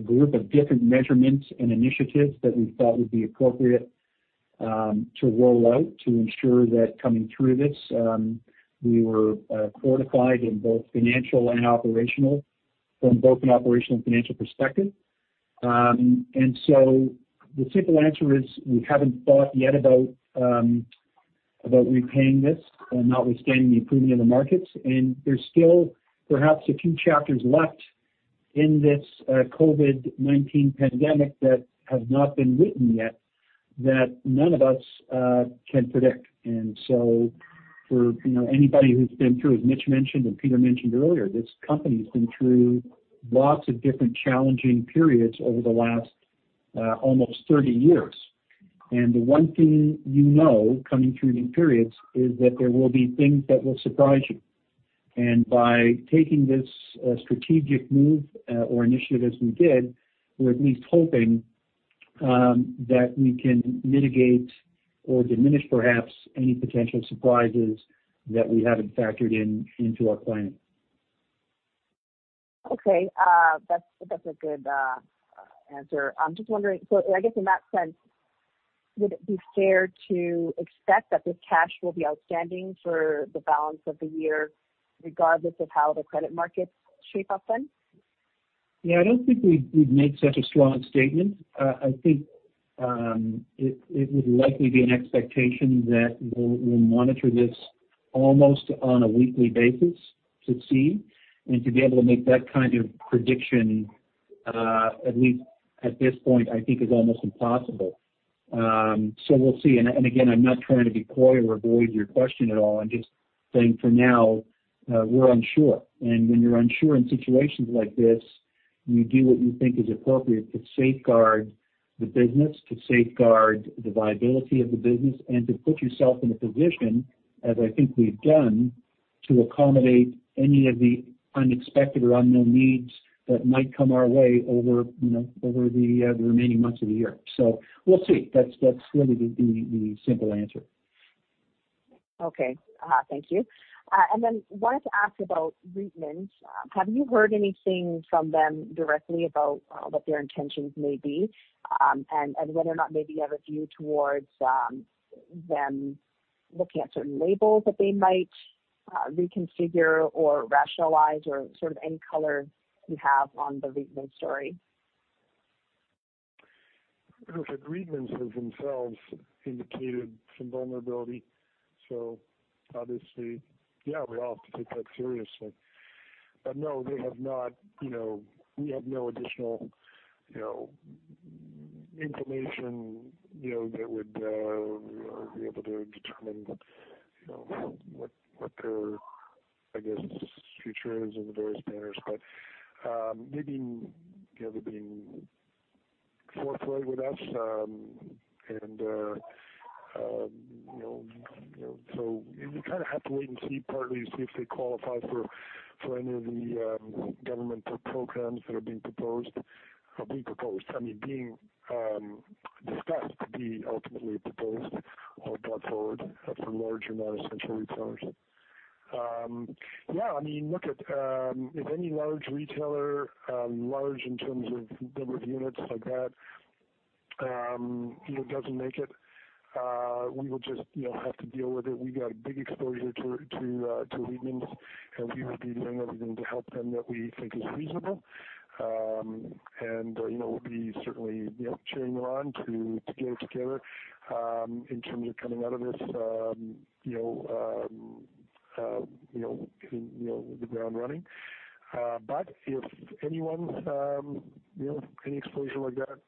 group of different measurements and initiatives that we thought would be appropriate to roll out to ensure that coming through this, we were fortified in both financial and operational, from both an operational and financial perspective. The simple answer is we haven't thought yet about repaying this, notwithstanding the improvement in the markets. There's still perhaps a few chapters left in this COVID-19 pandemic that have not been written yet that none of us can predict. For anybody who's been through, as Mitch mentioned and Peter mentioned earlier, this company's been through lots of different challenging periods over the last almost 30 years. The one thing you know coming through these periods is that there will be things that will surprise you. By taking this strategic move or initiative as we did, we're at least hoping that we can mitigate or diminish perhaps any potential surprises that we haven't factored into our planning. Okay. That's a good answer. I'm just wondering, so I guess in that sense, would it be fair to expect that this cash will be outstanding for the balance of the year regardless of how the credit markets shape up then? Yeah, I don't think we'd make such a strong statement. I think it would likely be an expectation that we'll monitor this almost on a weekly basis to see, and to be able to make that kind of prediction, at least at this point, I think is almost impossible. We'll see. Again, I'm not trying to be coy or avoid your question at all. I'm just saying for now, we're unsure. When you're unsure in situations like this, you do what you think is appropriate to safeguard the business, to safeguard the viability of the business, and to put yourself in a position, as I think we've done, to accommodate any of the unexpected or unknown needs that might come our way over the remaining months of the year. We'll see. That's really the simple answer. Okay. Thank you. Wanted to ask about Reitmans. Have you heard anything from them directly about what their intentions may be, and whether or not maybe you have a view towards them looking at certain labels that they might reconfigure or rationalize or sort of any color you have on the Reitmans story? Look, Reitmans has themselves indicated some vulnerability. Obviously, yeah, we all have to take that seriously. No, we have no additional information that would be able to determine what their, I guess, future is in the various banners. They've been forthright with us, we kind of have to wait and see, partly to see if they qualify for any of the governmental programs that have been proposed or being proposed, I mean, being discussed to be ultimately proposed or brought forward for large or non-essential retailers. Yeah, if any large retailer, large in terms of number of units like that doesn't make it, we will just have to deal with it. We've got a big exposure to Reitmans, we would be doing everything to help them that we think is reasonable. We'll be certainly cheering them on to get it together in terms of coming out of this, hitting the ground running. If any exposure like that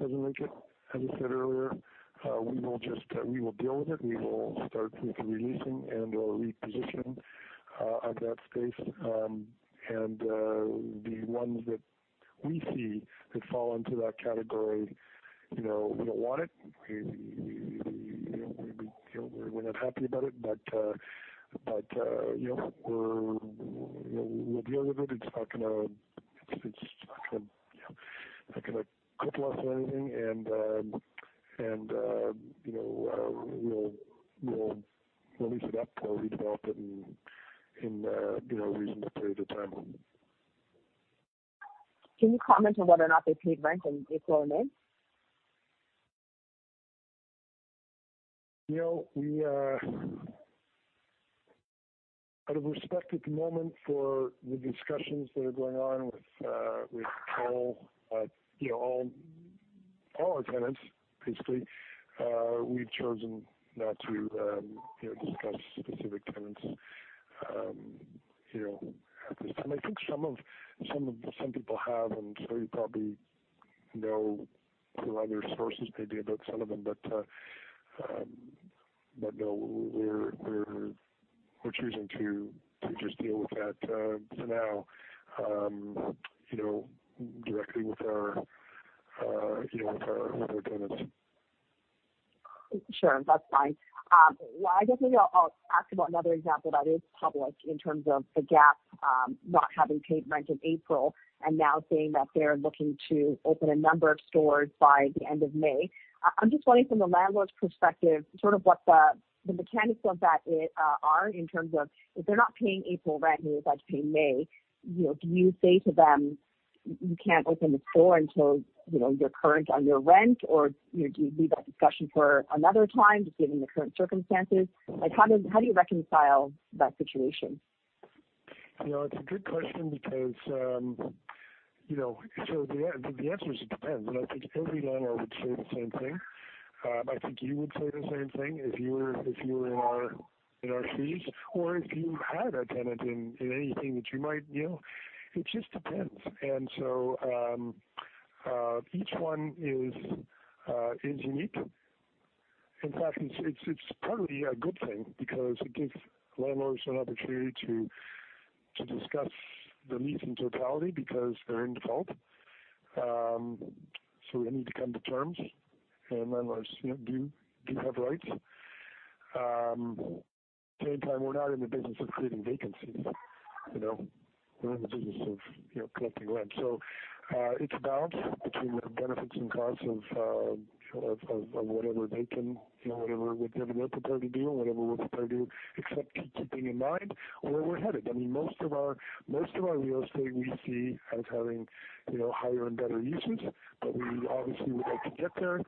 doesn't make it, as I said earlier, we will deal with it. We will start with the re-leasing and/or repositioning of that space. The ones that we see that fall into that category, we don't want it, we're not happy about it, but we'll deal with it. It's not going to clip us or anything, we'll lease it up or redevelop it in a reasonable period of time. Can you comment on whether or not they paid rent in April or May? Out of respect at the moment for the discussions that are going on with all our tenants, basically, we've chosen not to discuss specific tenants at this time. I think some people have, and so you probably know through other sources maybe about some of them, but no, we're choosing to just deal with that for now directly with our tenants. Sure. That's fine. I guess maybe I'll ask about another example that is public in terms of the Gap not having paid rent in April and now saying that they're looking to open a number of stores by the end of May. I'm just wondering from a landlord's perspective, sort of what the mechanics of that are in terms of if they're not paying April rent and they decide to pay May, do you say to them, "You can't open the store until you're current on your rent," or do you leave that discussion for another time, just given the current circumstances? How do you reconcile that situation? It's a good question because the answer is it depends, and I think every landlord would say the same thing. I think you would say the same thing if you were in our shoes or if you had a tenant in anything that you might. It just depends. Each one is unique. In fact, it's probably a good thing because it gives landlords an opportunity to discuss the lease in totality because they're in default. We need to come to terms, and landlords do have rights. At the same time, we're not in the business of creating vacancies. We're in the business of collecting rent. It's a balance between the benefits and costs of whatever they can, whatever they're prepared to do and whatever we're prepared to accept, keeping in mind where we're headed. Most of our real estate we see as having higher and better uses, but we obviously would like to get there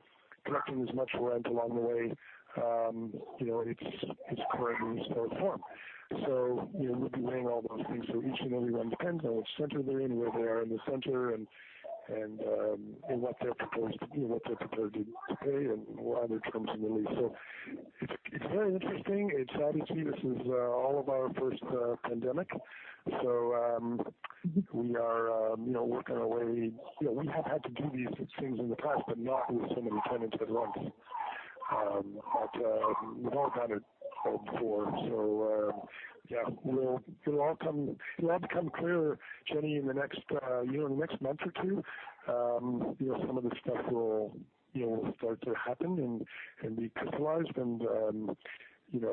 collecting as much rent along the way as current in its current form. We'll be weighing all those things. Each and every one depends on which center they're in, where they are in the center and what they're prepared to pay and what other terms in the lease. It's very interesting. Obviously, this is all of our first pandemic. We are working our way. We have had to do these things in the past, but not with so many tenants at once. We've all done it before. Yeah, it'll all become clearer, Jenny, in the next month or two. Some of the stuff will start to happen and be crystallized. It's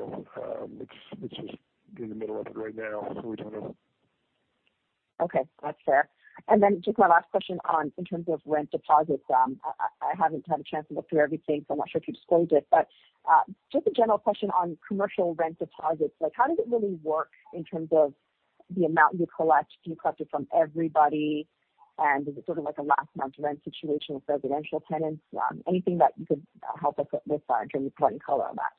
just in the middle of it right now, so we don't know. Okay. That's fair. Then just my last question on in terms of rent deposits. I haven't had a chance to look through everything, so I'm not sure if you disclosed it. Just a general question on commercial rent deposits. How does it really work in terms of the amount you collect? Do you collect it from everybody? Is it sort of like a last month rent situation with residential tenants? Anything that you could help us with there? Can you provide any color on that?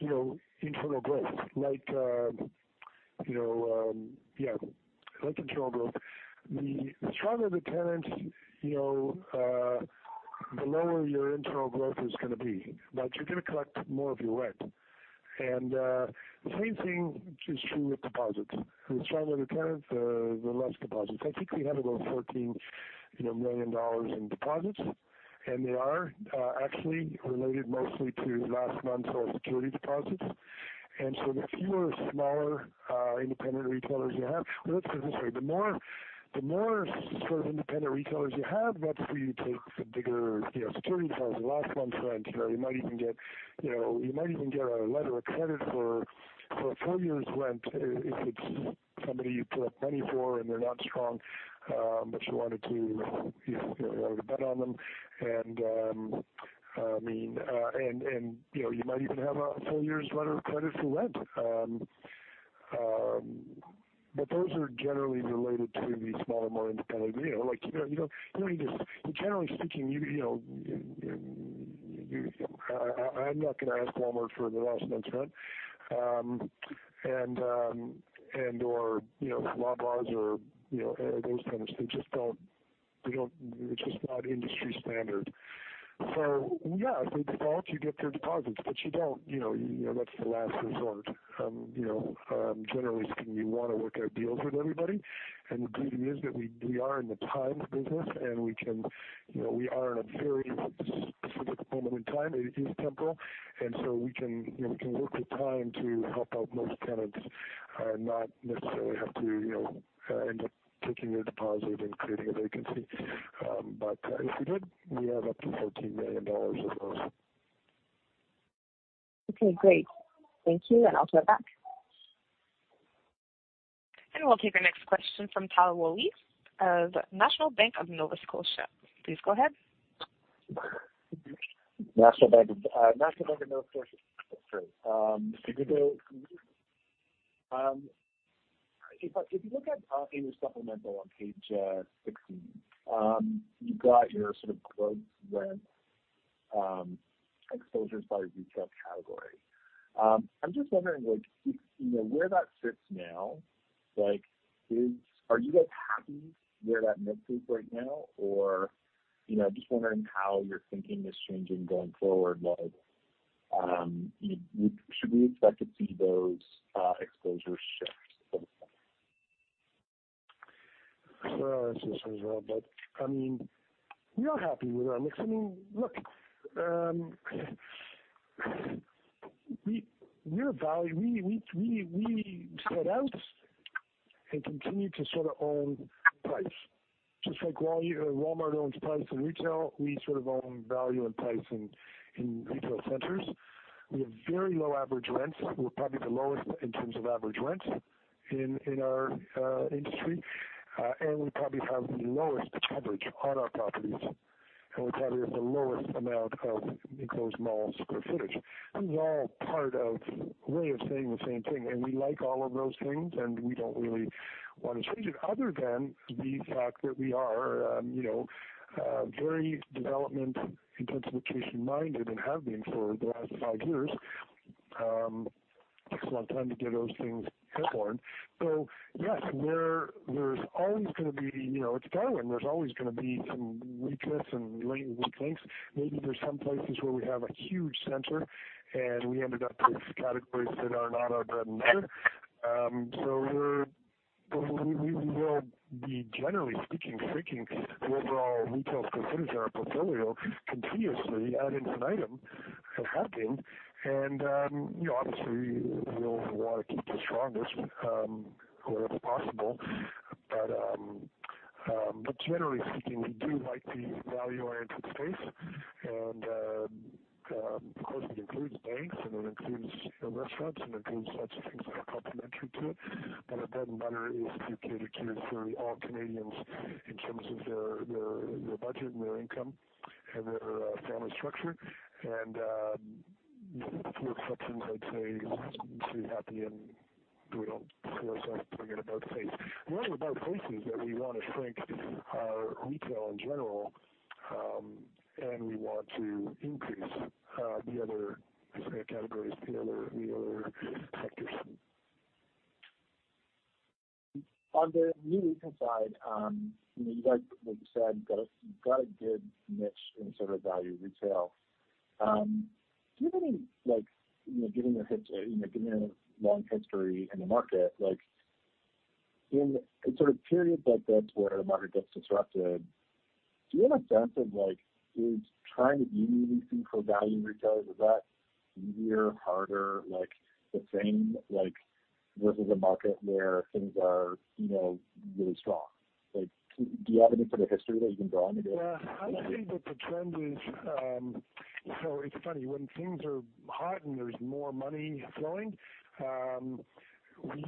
Like internal growth. The stronger the tenant, the lower your internal growth is going to be, but you're going to collect more of your rent. The same thing is true with deposits. The stronger the tenant, the less deposits. I think we had about 14 million dollars in deposits, and they are actually related mostly to last month's security deposits. The fewer smaller, independent retailers you have Well, let's put it this way. The more sort of independent retailers you have, that's where you take the bigger security deposits, the last month's rent. You might even get a letter of credit for a full year's rent if it's somebody you put up money for and they're not strong but you wanted to be able to bet on them. You might even have a full year's letter of credit for rent. Those are generally related to the smaller, more independent. Generally speaking, I'm not going to ask Walmart for the last month's rent and/or Loblaw or those tenants. It's just not industry standard. Yeah, if they default, you get their deposits, but you don't. That's the last resort. Generally speaking, you want to work out deals with everybody. The beauty is that we are in the times business, we are in a very specific moment in time in tempo, we can work with time to help out most tenants and not necessarily have to end up taking their deposit and creating a vacancy. If we did, we have up to 14 million dollars of those. Okay, great. Thank you, and I will turn it back. We'll take our next question from Tal Woolley of National Bank Financial. Please go ahead. National Bank Financial. Mr. Goldhar. If you look at your supplemental on page 16, you've got your sort of gross rent exposures by retail category. I'm just wondering where that sits now. Are you guys happy where that mix is right now? Just wondering how your thinking is changing going forward. Should we expect to see those exposures shift going forward? That's a good question as well. We are happy with our mix. Look, we set out and continue to sort of own price. Just like Walmart owns price in retail, we sort of own value and price in retail centers. We have very low average rents. We're probably the lowest in terms of average rents in our industry. We probably have the lowest coverage on our properties, and we probably have the lowest amount of enclosed mall square footage. These are all part of a way of saying the same thing, and we like all of those things, and we don't really want to change it other than the fact that we are very development intensification-minded and have been for the last five years. Takes a long time to get those things airborne. Yes, it's a pendulum. There's always going to be some weakness and latent weak links. Maybe there's some places where we have a huge center, and we ended up with categories that are not our bread and butter. We will be, generally speaking, shrinking the overall retail square footage in our portfolio continuously ad infinitum, have been. Obviously, we'll want to keep the strongest wherever possible. Generally speaking, we do like the value-oriented space. Of course, it includes banks, and it includes restaurants, and includes lots of things that are complementary to it. Our bread and butter is to cater to sort of all Canadians in terms of their budget and their income and their family structure. With few exceptions, I'd say we're happy and we don't see ourselves doing an about-face. Not an about-face in that we want to shrink our retail in general, and we want to increase the other categories, the other sectors. On the new retail side, like you said, you've got a good niche in sort of value retail. Given your long history in the market, in sort of periods like this where the market gets disrupted, do you have a sense of is trying to do new things for value retailers, is that easier, harder, the same, versus a market where things are really strong? Do you have any sort of history that you can draw on to go? Yeah, I think that the trend is. It's funny. When things are hot and there's more money flowing, I hate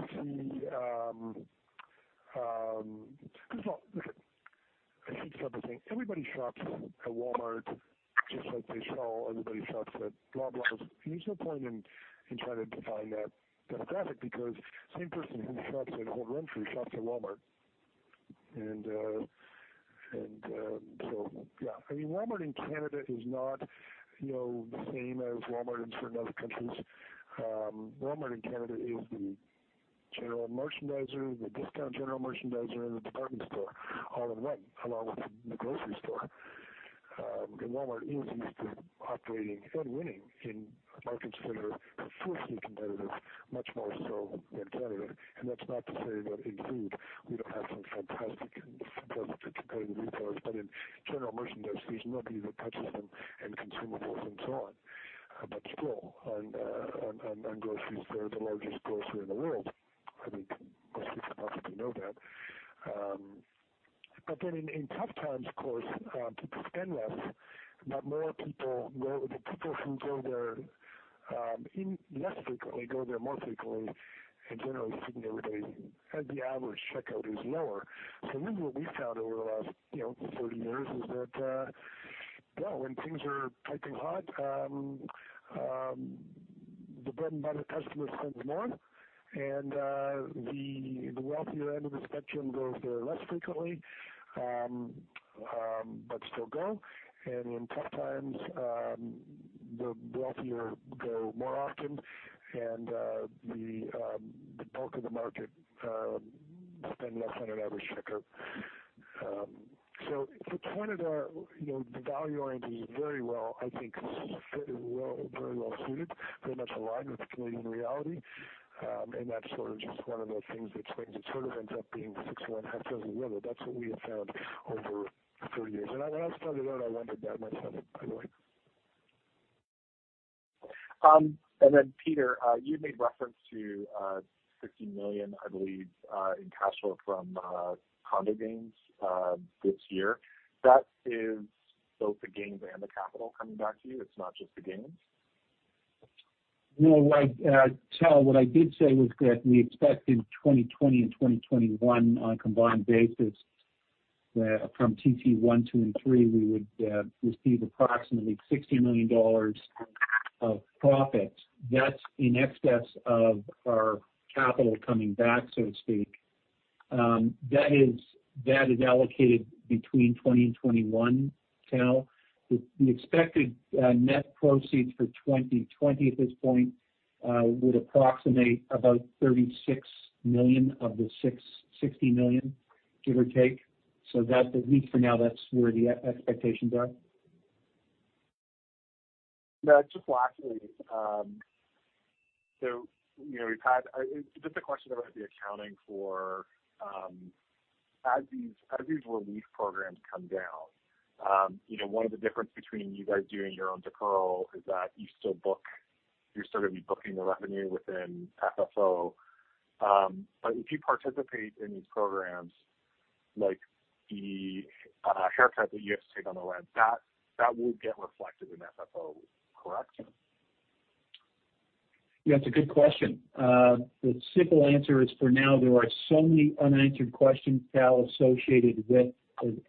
to start by saying everybody shops at Walmart just like they shop, everybody shops at blah blah. There's no point in trying to define that demographic because the same person who shops at Holt Renfrew shops at Walmart. Yeah. Walmart in Canada is not the same as Walmart in certain other countries. Walmart in Canada is the general merchandiser, the discount general merchandiser, and the department store all in one, along with the grocery store. Walmart is used to operating and winning in markets that are fiercely competitive, much more so than Canada. That's not to say that in food we don't have some fantastic and successful competing retailers. In general merchandise, there's nobody that touches them in consumables and so on. Still, on groceries, they're the largest grocer in the world. I think most people probably know that. In tough times, of course, people spend less, but more people go. The people who go there less frequently go there more frequently, and generally speaking, everybody, the average checkout is lower. What we found over the last 30 years is that when things are piping hot, the bread-and-butter customer spends more, and the wealthier end of the spectrum goes there less frequently, but still go. In tough times, the wealthier go more often, and the bulk of the market spend less on an average checkout. For Canada, the value orient is very well, I think, very well suited, very much aligned with Canadian reality. That's sort of just one of those things that sort of ends up being six of one, half dozen of the other. That's what we have found over 30 years. When I first started out, I wondered that myself, by the way. Peter, you made reference to 60 million, I believe, in cash flow from condo gains this year. That is both the gains and the capital coming back to you, it's not just the gains? No, Tal. What I did say was that we expect in 2020 and 2021, on a combined basis, that from TC 1, 2, and 3, we would receive approximately 60 million dollars of profit. That is in excess of our capital coming back, so to speak. That is allocated between 2020 and 2021, Tal. The expected net proceeds for 2020 at this point would approximate about 36 million of the 60 million, give or take. At least for now, that is where the expectations are. Just lastly. Just a question around the accounting for as these relief programs come down. One of the difference between you guys doing your own deferral is that you're still going to be booking the revenue within FFO. If you participate in these programs like the haircut that you have to take on the rent, that will get reflected in FFO, correct? That's a good question. The simple answer is for now, there are so many unanswered questions, Tal, associated with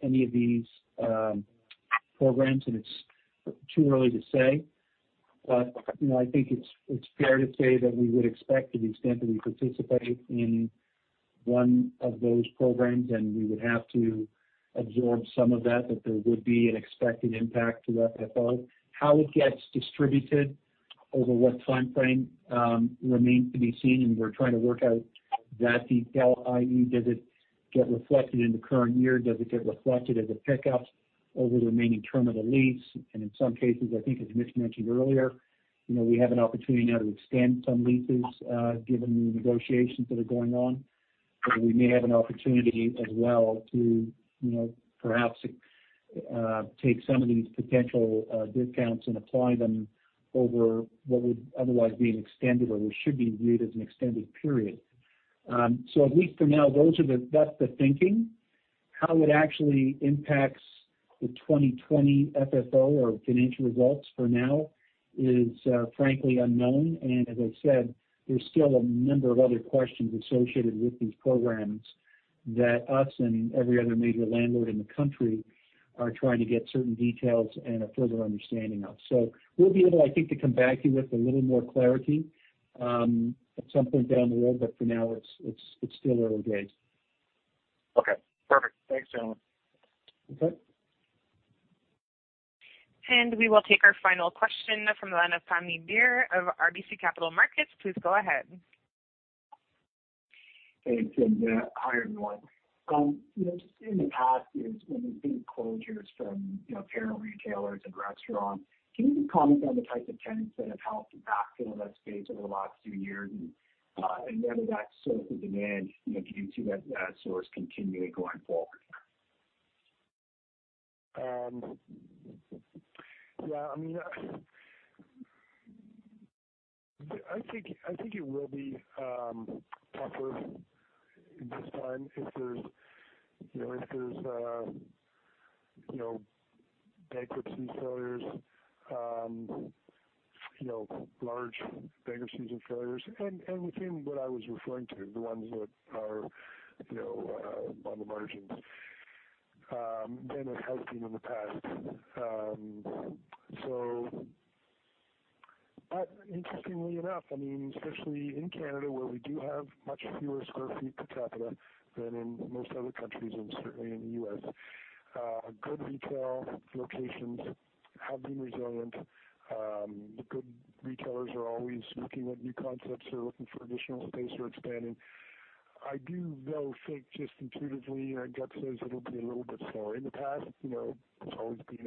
any of these programs, and it's too early to say. I think it's fair to say that we would expect to the extent that we participate in one of those programs, and we would have to absorb some of that there would be an expected impact to FFO. How it gets distributed over what timeframe remains to be seen, and we're trying to work out that detail, i.e., does it get reflected in the current year? Does it get reflected as a pickup over the remaining term of the lease? In some cases, I think as Mitch mentioned earlier, we have an opportunity now to extend some leases given the negotiations that are going on. We may have an opportunity as well to perhaps take some of these potential discounts and apply them over what would otherwise be an extended or what should be viewed as an extended period. At least for now, that's the thinking. How it actually impacts the 2020 FFO or financial results for now is frankly unknown. As I said, there's still a number of other questions associated with these programs that us and every other major landlord in the country are trying to get certain details and a further understanding of. We'll be able, I think, to come back to you with a little more clarity at some point down the road, but for now it's still early days. Okay, perfect. Thanks, gentlemen. Okay. We will take our final question from the line of Tanvir Ahmed of RBC Capital Markets. Please go ahead. Thanks. Hi, everyone. Just in the past years when we've seen closures from apparel retailers and restaurants, can you just comment on the types of tenants that have helped backfill that space over the last few years? Whether that source of demand, can you see that source continuing going forward? Yeah. I think it will be tougher this time if there's bankruptcy failures, large bankruptcies and failures. Within what I was referring to, the ones that are on the margins than it has been in the past. Interestingly enough, especially in Canada where we do have much fewer square feet per capita than in most other countries and certainly in the U.S., good retail locations have been resilient. The good retailers are always looking at new concepts or looking for additional space or expanding. I do, though, think just intuitively, my gut says it'll be a little bit slower. In the past, it's always been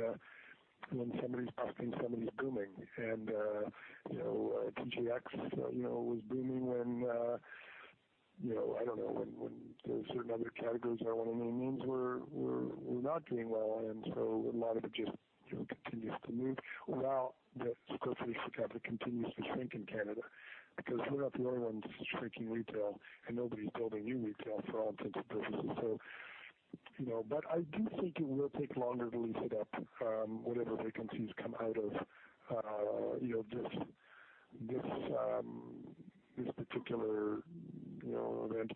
when somebody's busting, somebody's booming. TJX was booming when, I don't know, when certain other categories, or one of the main ones were not doing well. A lot of it just continues to move while the square footage per capita continues to shrink in Canada because we're not the only ones shrinking retail, and nobody's building new retail for all intents and purposes. I do think it will take longer to lease it up, whatever vacancies come out of this particular event.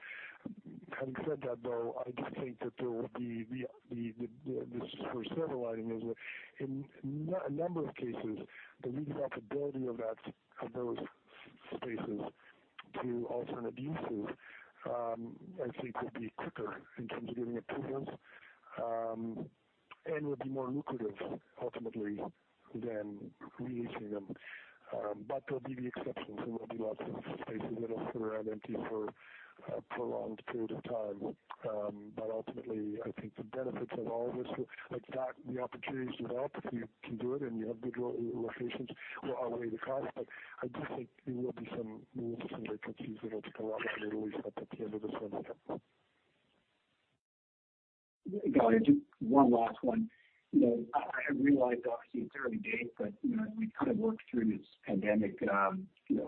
Having said that, though, I just think that there will be this for several items where in a number of cases, the redevelopability of those spaces to alternate uses, I think, would be quicker in terms of getting approvals. Would be more lucrative ultimately than re-leasing them. There'll be the exceptions, and there'll be lots of spaces that'll sit around empty for prolonged period of time. Ultimately, I think the benefits of all of this, the opportunities develop if you can do it and you have good locations will outweigh the cost. I do think there will be some vacancies that'll come up that may release up at the end of this year. Got it. Just one last one. I realize, obviously, it's early days, but as we work through this pandemic, have you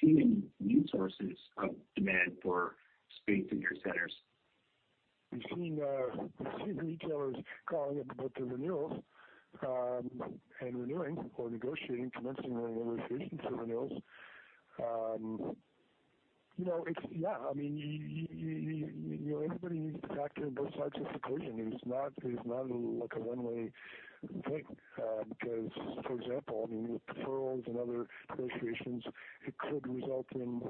seen any new sources of demand for space in your centers? We've seen retailers calling up about their renewals and renewing or commencing renewing negotiations for renewals. Everybody needs to factor in both sides of the equation. It's not a one-way thing. For example, with deferrals and other negotiations, it could result in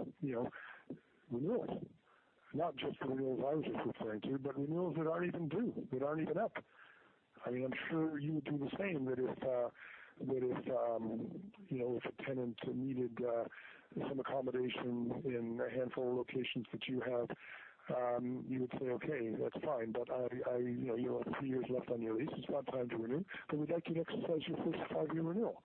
renewals. Not just the renewals I was just referring to, but renewals that aren't even due, that aren't even up. I'm sure you would do the same, that if a tenant needed some accommodation in a handful of locations that you have, you would say, "Okay, that's fine, but you have three years left on your lease. It's about time to renew, but we'd like you to exercise your first five-year renewal."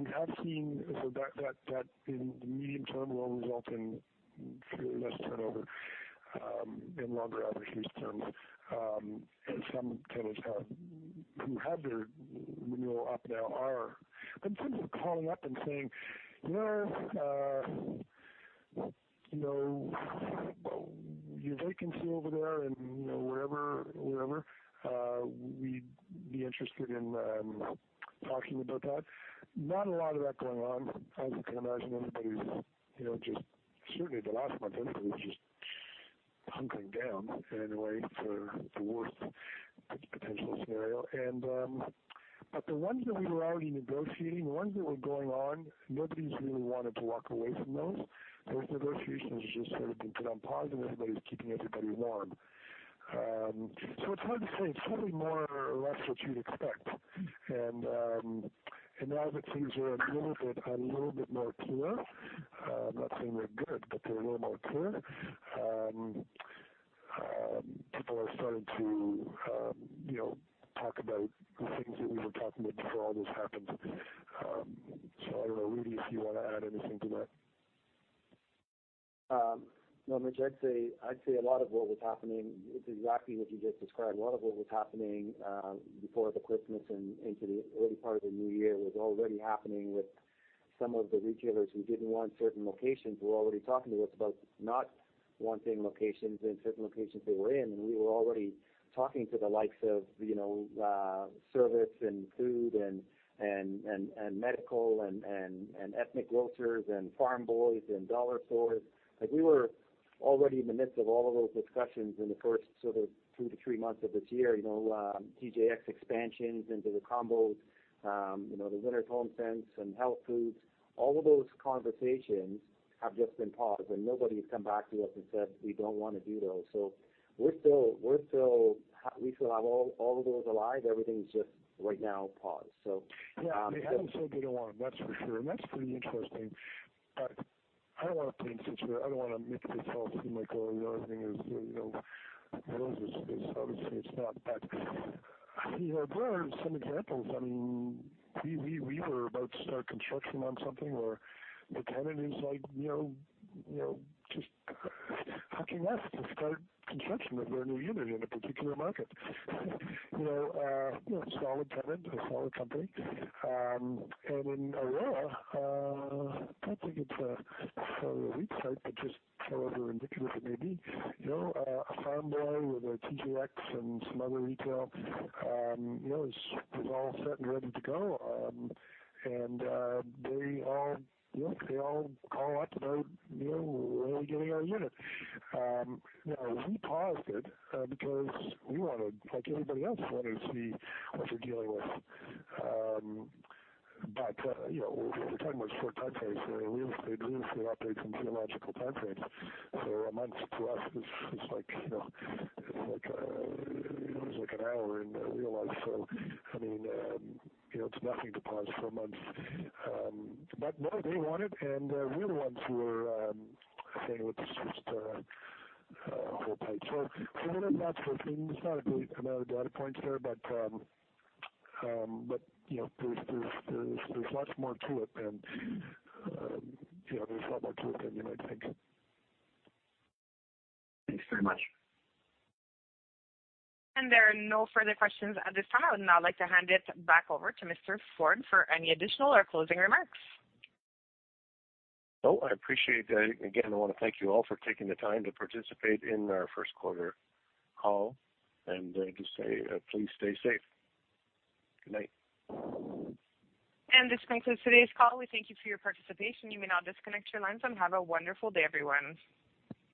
We have seen that, in the medium term, will result in less turnover and longer average lease terms. Some tenants who have their renewal up now are. In terms of calling up and saying, "Your vacancy over there in wherever, we'd be interested in talking about that." Not a lot of that going on. As you can imagine, everybody's just, certainly the last month, everybody's just hunkering down in a way for the worst potential scenario. The ones that we were already negotiating, the ones that were going on, nobody's really wanted to walk away from those. Those negotiations have just sort of been put on pause and everybody's keeping everybody warm. It's hard to say. It's certainly more or less what you'd expect. Now that things are a little bit more clear, I'm not saying they're good, but they're a little more clear, people are starting to talk about the things that we were talking about before all this happened. I don't know, Rudy, if you want to add anything to that? No, Mitch, I'd say a lot of what was happening, it's exactly what you just described. A lot of what was happening before the Christmas and into the early part of the new year was already happening with some of the retailers who didn't want certain locations, were already talking to us about not wanting locations and certain locations they were in. We were already talking to the likes of service and food and medical and ethnic grocers and Farm Boy and dollar stores. We were already in the midst of all of those discussions in the first sort of two to three months of this year. TJX expansions into the combos, the Winners HomeSense and health foods. All of those conversations have just been paused and nobody has come back to us and said, "We don't want to do those." We still have all of those alive. Everything's just right now paused. Yeah, they haven't said they don't want them, that's for sure. That's pretty interesting. I don't want to make this all seem like all the other thing is roses. Obviously, it's not. There are some examples. We were about to start construction on something where the tenant is like, just hooking us to start construction of their new unit in a particular market. A solid tenant, a solid company. In Aurora, I don't think it's a weak site, but just however indicative it may be. A Farm Boy with a TJX and some other retail is all set and ready to go. They all call up about when are we getting our unit. Now we paused it because we wanted, like anybody else, we wanted to see what we're dealing with. We're talking about short timeframes. Real estate operates on geological timeframes. A month to us is like an hour in real life. It's nothing to pause for a month. No, they want it, and we're the ones who are saying, "Let's just hold tight." For what that's worth. I mean, it's not a great amount of data points there, but there's lots more to it than you might think. Thanks very much. There are no further questions at this time. I would now like to hand it back over to Mr. Forde for any additional or closing remarks. I appreciate that. Again, I want to thank you all for taking the time to participate in our first quarter call. Just say, please stay safe. Good night. This concludes today's call. We thank you for your participation. You may now disconnect your lines, and have a wonderful day, everyone.